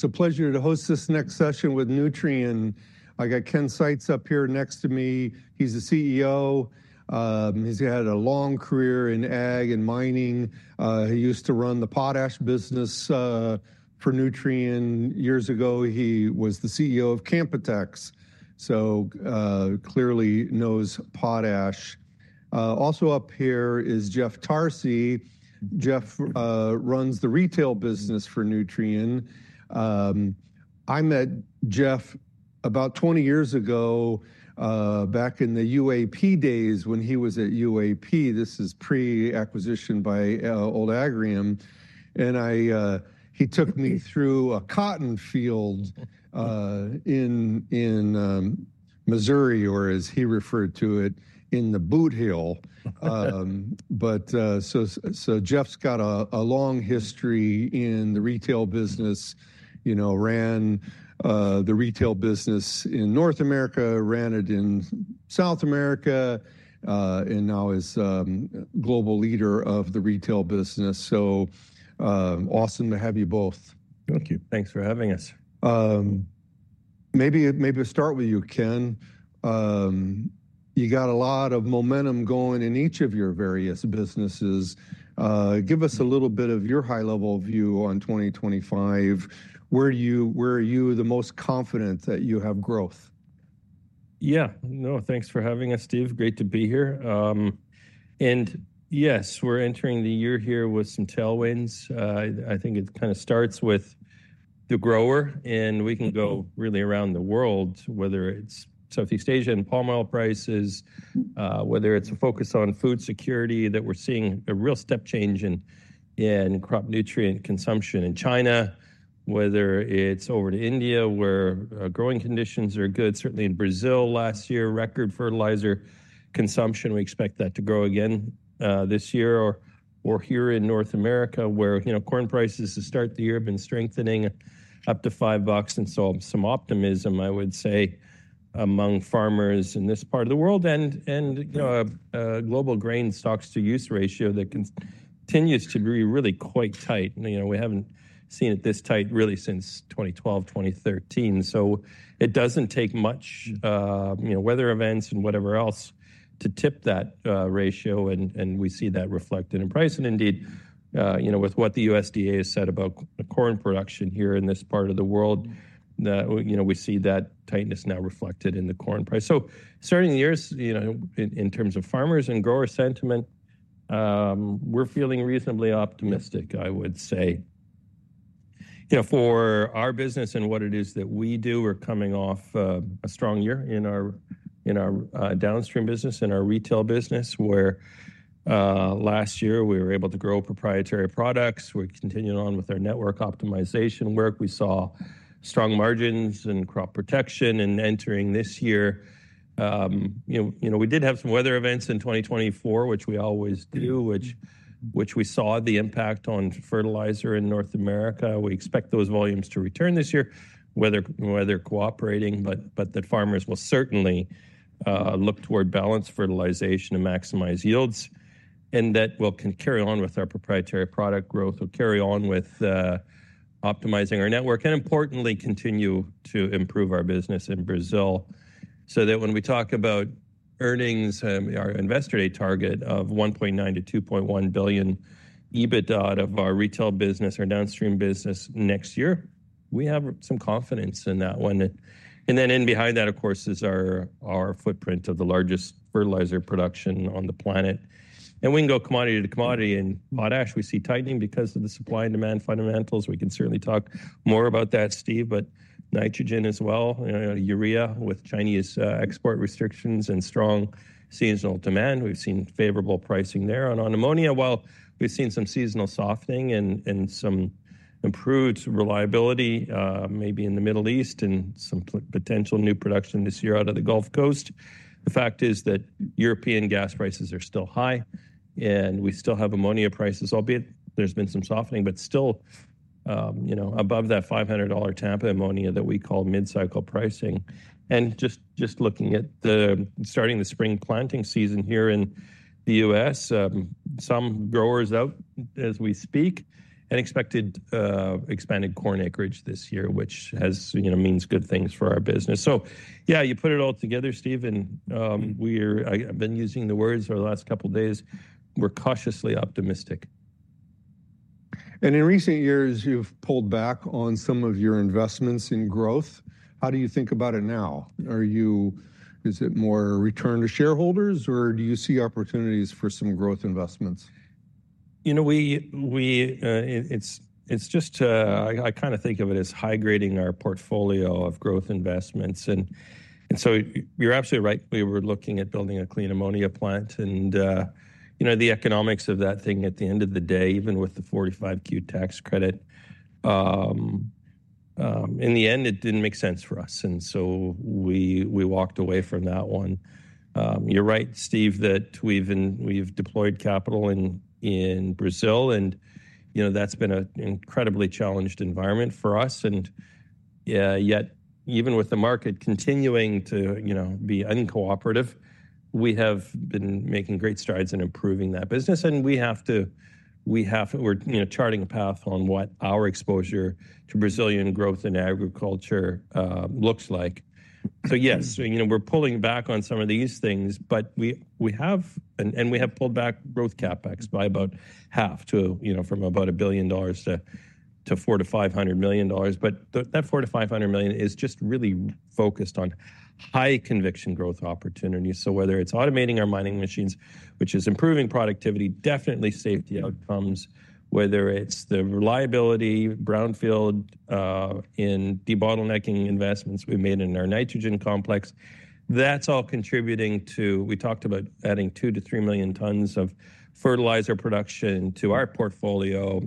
Speaker 1: Back. It's a pleasure to host this next session with Nutrien. I got Ken Seitz up here next to me. He's the CEO. He has had a long career in ag and mining. He used to run the potash business for Nutrien. Years ago, he was the CEO of Canpotex. So, clearly knows potash. Also up here is Jeff Tarsi. Jeff runs the retail business for Nutrien. I met Jeff about 20 years ago, back in the UAP days when he was at UAP. This is pre-acquisition by Old Agrium. And he took me through a cotton field in Missouri, or as he referred to it, in the Boot Hill. So Jeff's got a long history in the retail business, you know, ran the retail business in North America, ran it in South America, and now is global leader of the retail business. So, awesome to have you both.
Speaker 5: Thank you. Thanks for having us.
Speaker 1: Maybe, maybe we'll start with you, Ken. You got a lot of momentum going in each of your various businesses. Give us a little bit of your high-level view on 2025. Where do you, where are you the most confident that you have growth?
Speaker 5: Yeah. No, thanks for having us, Steve. Great to be here. And yes, we're entering the year here with some tailwinds. I think it kind of starts with the grower, and we can go really around the world, whether it's Southeast Asia and palm oil prices, whether it's a focus on food security that we're seeing a real step change in, in crop nutrient consumption in China, whether it's over to India, where growing conditions are good. Certainly in Brazil, last year, record fertilizer consumption. We expect that to grow again this year or here in North America, where, you know, corn prices to start the year have been strengthening up to $5. And so some optimism, I would say, among farmers in this part of the world and, you know, a global grain stocks to use ratio that continues to be really quite tight. You know, we haven't seen it this tight really since 2012, 2013. So it doesn't take much, you know, weather events and whatever else to tip that ratio. And we see that reflected in price. And indeed, you know, with what the USDA has said about corn production here in this part of the world, that, you know, we see that tightness now reflected in the corn price. So starting this year, you know, in terms of farmers and grower sentiment, we're feeling reasonably optimistic, I would say, you know, for our business and what it is that we do. We're coming off a strong year in our downstream business, in our retail business, where last year we were able to grow proprietary products. We're continuing on with our network optimization work. We saw strong margins in crop protection entering this year. You know, we did have some weather events in 2024, which we always do, which we saw the impact on fertilizer in North America. We expect those volumes to return this year, weather cooperating, but that farmers will certainly look toward balanced fertilization and maximize yields. And that will carry on with our proprietary product growth, optimizing our network and importantly continue to improve our business in Brazil. So that when we talk about earnings, our investor day target of 1.9-2.1 billion EBITDA of our retail business, our downstream business next year, we have some confidence in that one. And then behind that, of course, is our footprint of the largest fertilizer production on the planet. And we can go commodity to commodity in potash. We see tightening because of the supply and demand fundamentals. We can certainly talk more about that, Steve, but nitrogen as well, urea with China's export restrictions and strong seasonal demand. We've seen favorable pricing there on ammonia. We've seen some seasonal softening and some improved reliability, maybe in the Middle East and some potential new production this year out of the Gulf Coast. The fact is that European gas prices are still high and we still have ammonia prices, albeit there's been some softening, but still, you know, above that $500 Tampa ammonia that we call mid-cycle pricing. And just looking at the starting the spring planting season here in the U.S., some growers out as we speak and expected, expanded corn acreage this year, which has, you know, means good things for our business. So yeah, you put it all together, Steve, and we are. I've been using the words over the last couple of days. We're cautiously optimistic.
Speaker 1: In recent years, you've pulled back on some of your investments in growth. How do you think about it now? Is it more return to shareholders or do you see opportunities for some growth investments?
Speaker 5: You know, we, it's just, I kind of think of it as high grading our portfolio of growth investments. And so you're absolutely right. We were looking at building a clean ammonia plant and, you know, the economics of that thing at the end of the day, even with the 45Q tax credit, in the end, it didn't make sense for us. And so we walked away from that one. You're right, Steve, that we've deployed capital in Brazil and, you know, that's been an incredibly challenged environment for us. And yet, even with the market continuing to, you know, be uncooperative, we have been making great strides in improving that business. And we have to, we're, you know, charting a path on what our exposure to Brazilian growth and agriculture looks like. So yes, you know, we're pulling back on some of these things, but we have, and we have pulled back growth CapEx by about half to, you know, from about $1 billion to $400 million-$500 million. But that $400 million-$500 million is just really focused on high conviction growth opportunities. So whether it's automating our mining machines, which is improving productivity, definitely safety outcomes, whether it's the reliability brownfield, in debottlenecking investments we've made in our nitrogen complex, that's all contributing to, we talked about adding two to three million tons of fertilizer production to our portfolio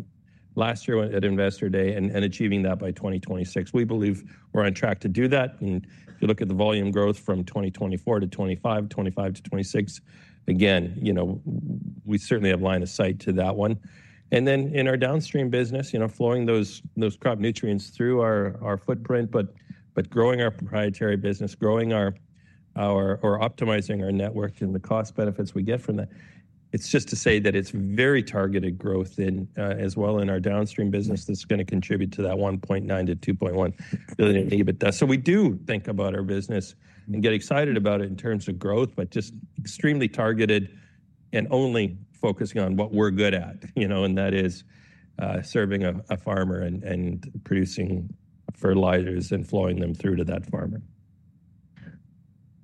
Speaker 5: last year at investor day and achieving that by 2026. We believe we're on track to do that. And if you look at the volume growth from 2024 to 2025, 2025 to 2026, again, you know, we certainly have line of sight to that one. And then in our downstream business, you know, flowing those crop nutrients through our footprint, but growing our proprietary business or optimizing our network and the cost benefits we get from that. It's just to say that it's very targeted growth in, as well, in our downstream business that's going to contribute to that $1.9-$2.1 billion EBITDA. So we do think about our business and get excited about it in terms of growth, but just extremely targeted and only focusing on what we're good at, you know, and that is serving a farmer and producing fertilizers and flowing them through to that farmer.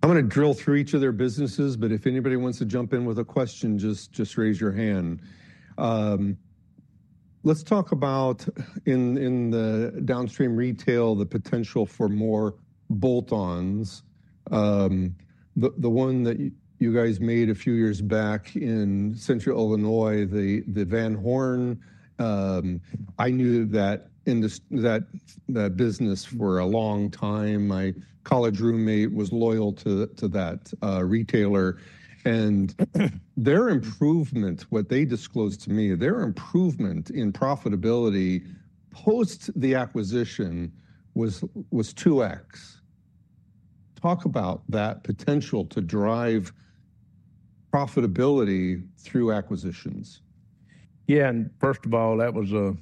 Speaker 1: I'm going to drill through each of their businesses, but if anybody wants to jump in with a question, just raise your hand. Let's talk about in the downstream retail the potential for more bolt-ons. The one that you guys made a few years back in Central Illinois, the Van Horn. I knew that business for a long time. My college roommate was loyal to that retailer and their improvement, what they disclosed to me, their improvement in profitability post the acquisition was 2X. Talk about that potential to drive profitability through acquisitions. Yeah. And first of all, that was a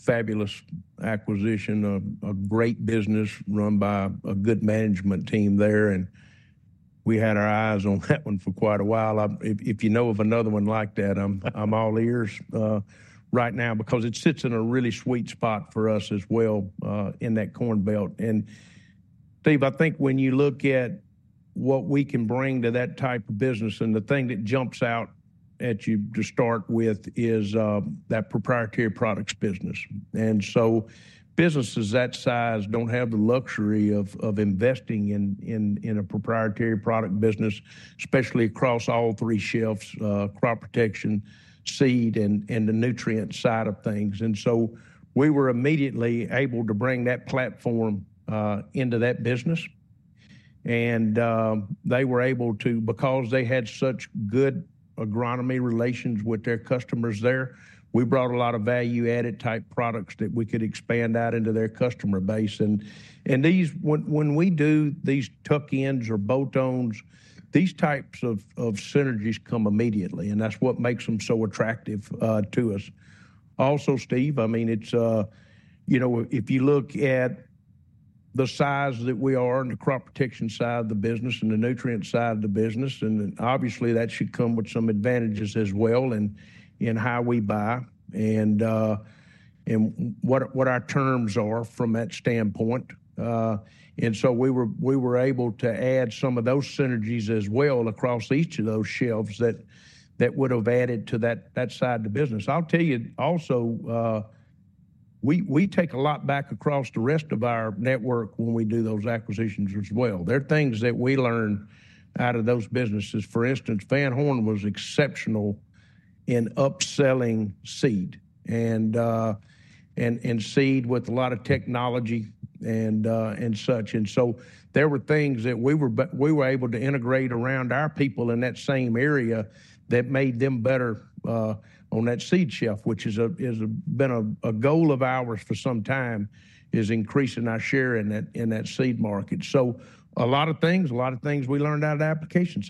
Speaker 1: fabulous acquisition, a great business run by a good management team there. And we had our eyes on that one for quite a while.
Speaker 5: If you know of another one like that, I'm all ears right now because it sits in a really sweet spot for us as well, in that corn belt, and Steve, I think when you look at what we can bring to that type of business and the thing that jumps out at you to start with is that proprietary products business, and so businesses that size don't have the luxury of investing in a proprietary product business, especially across all three shelves, crop protection, seed, and the nutrient side of things, and so we were immediately able to bring that platform into that business, and they were able to because they had such good agronomy relations with their customers there, we brought a lot of value added type products that we could expand out into their customer base. These, when we do these tuck-ins or bolt-ons, these types of synergies come immediately. And that's what makes them so attractive to us. Also, Steve, I mean, it's, you know, if you look at the size that we are in the crop protection side of the business and the nutrient side of the business, and obviously that should come with some advantages as well in how we buy and what our terms are from that standpoint. So we were able to add some of those synergies as well across each of those shelves that would have added to that side of the business. I'll tell you also, we take a lot back across the rest of our network when we do those acquisitions as well. There are things that we learn out of those businesses. For instance, Van Horn was exceptional in upselling seed and seed with a lot of technology and such, and so there were things that we were able to integrate around our people in that same area that made them better on that seed shelf, which has been a goal of ours for some time, increasing our share in that seed market, so a lot of things we learned out of the applications.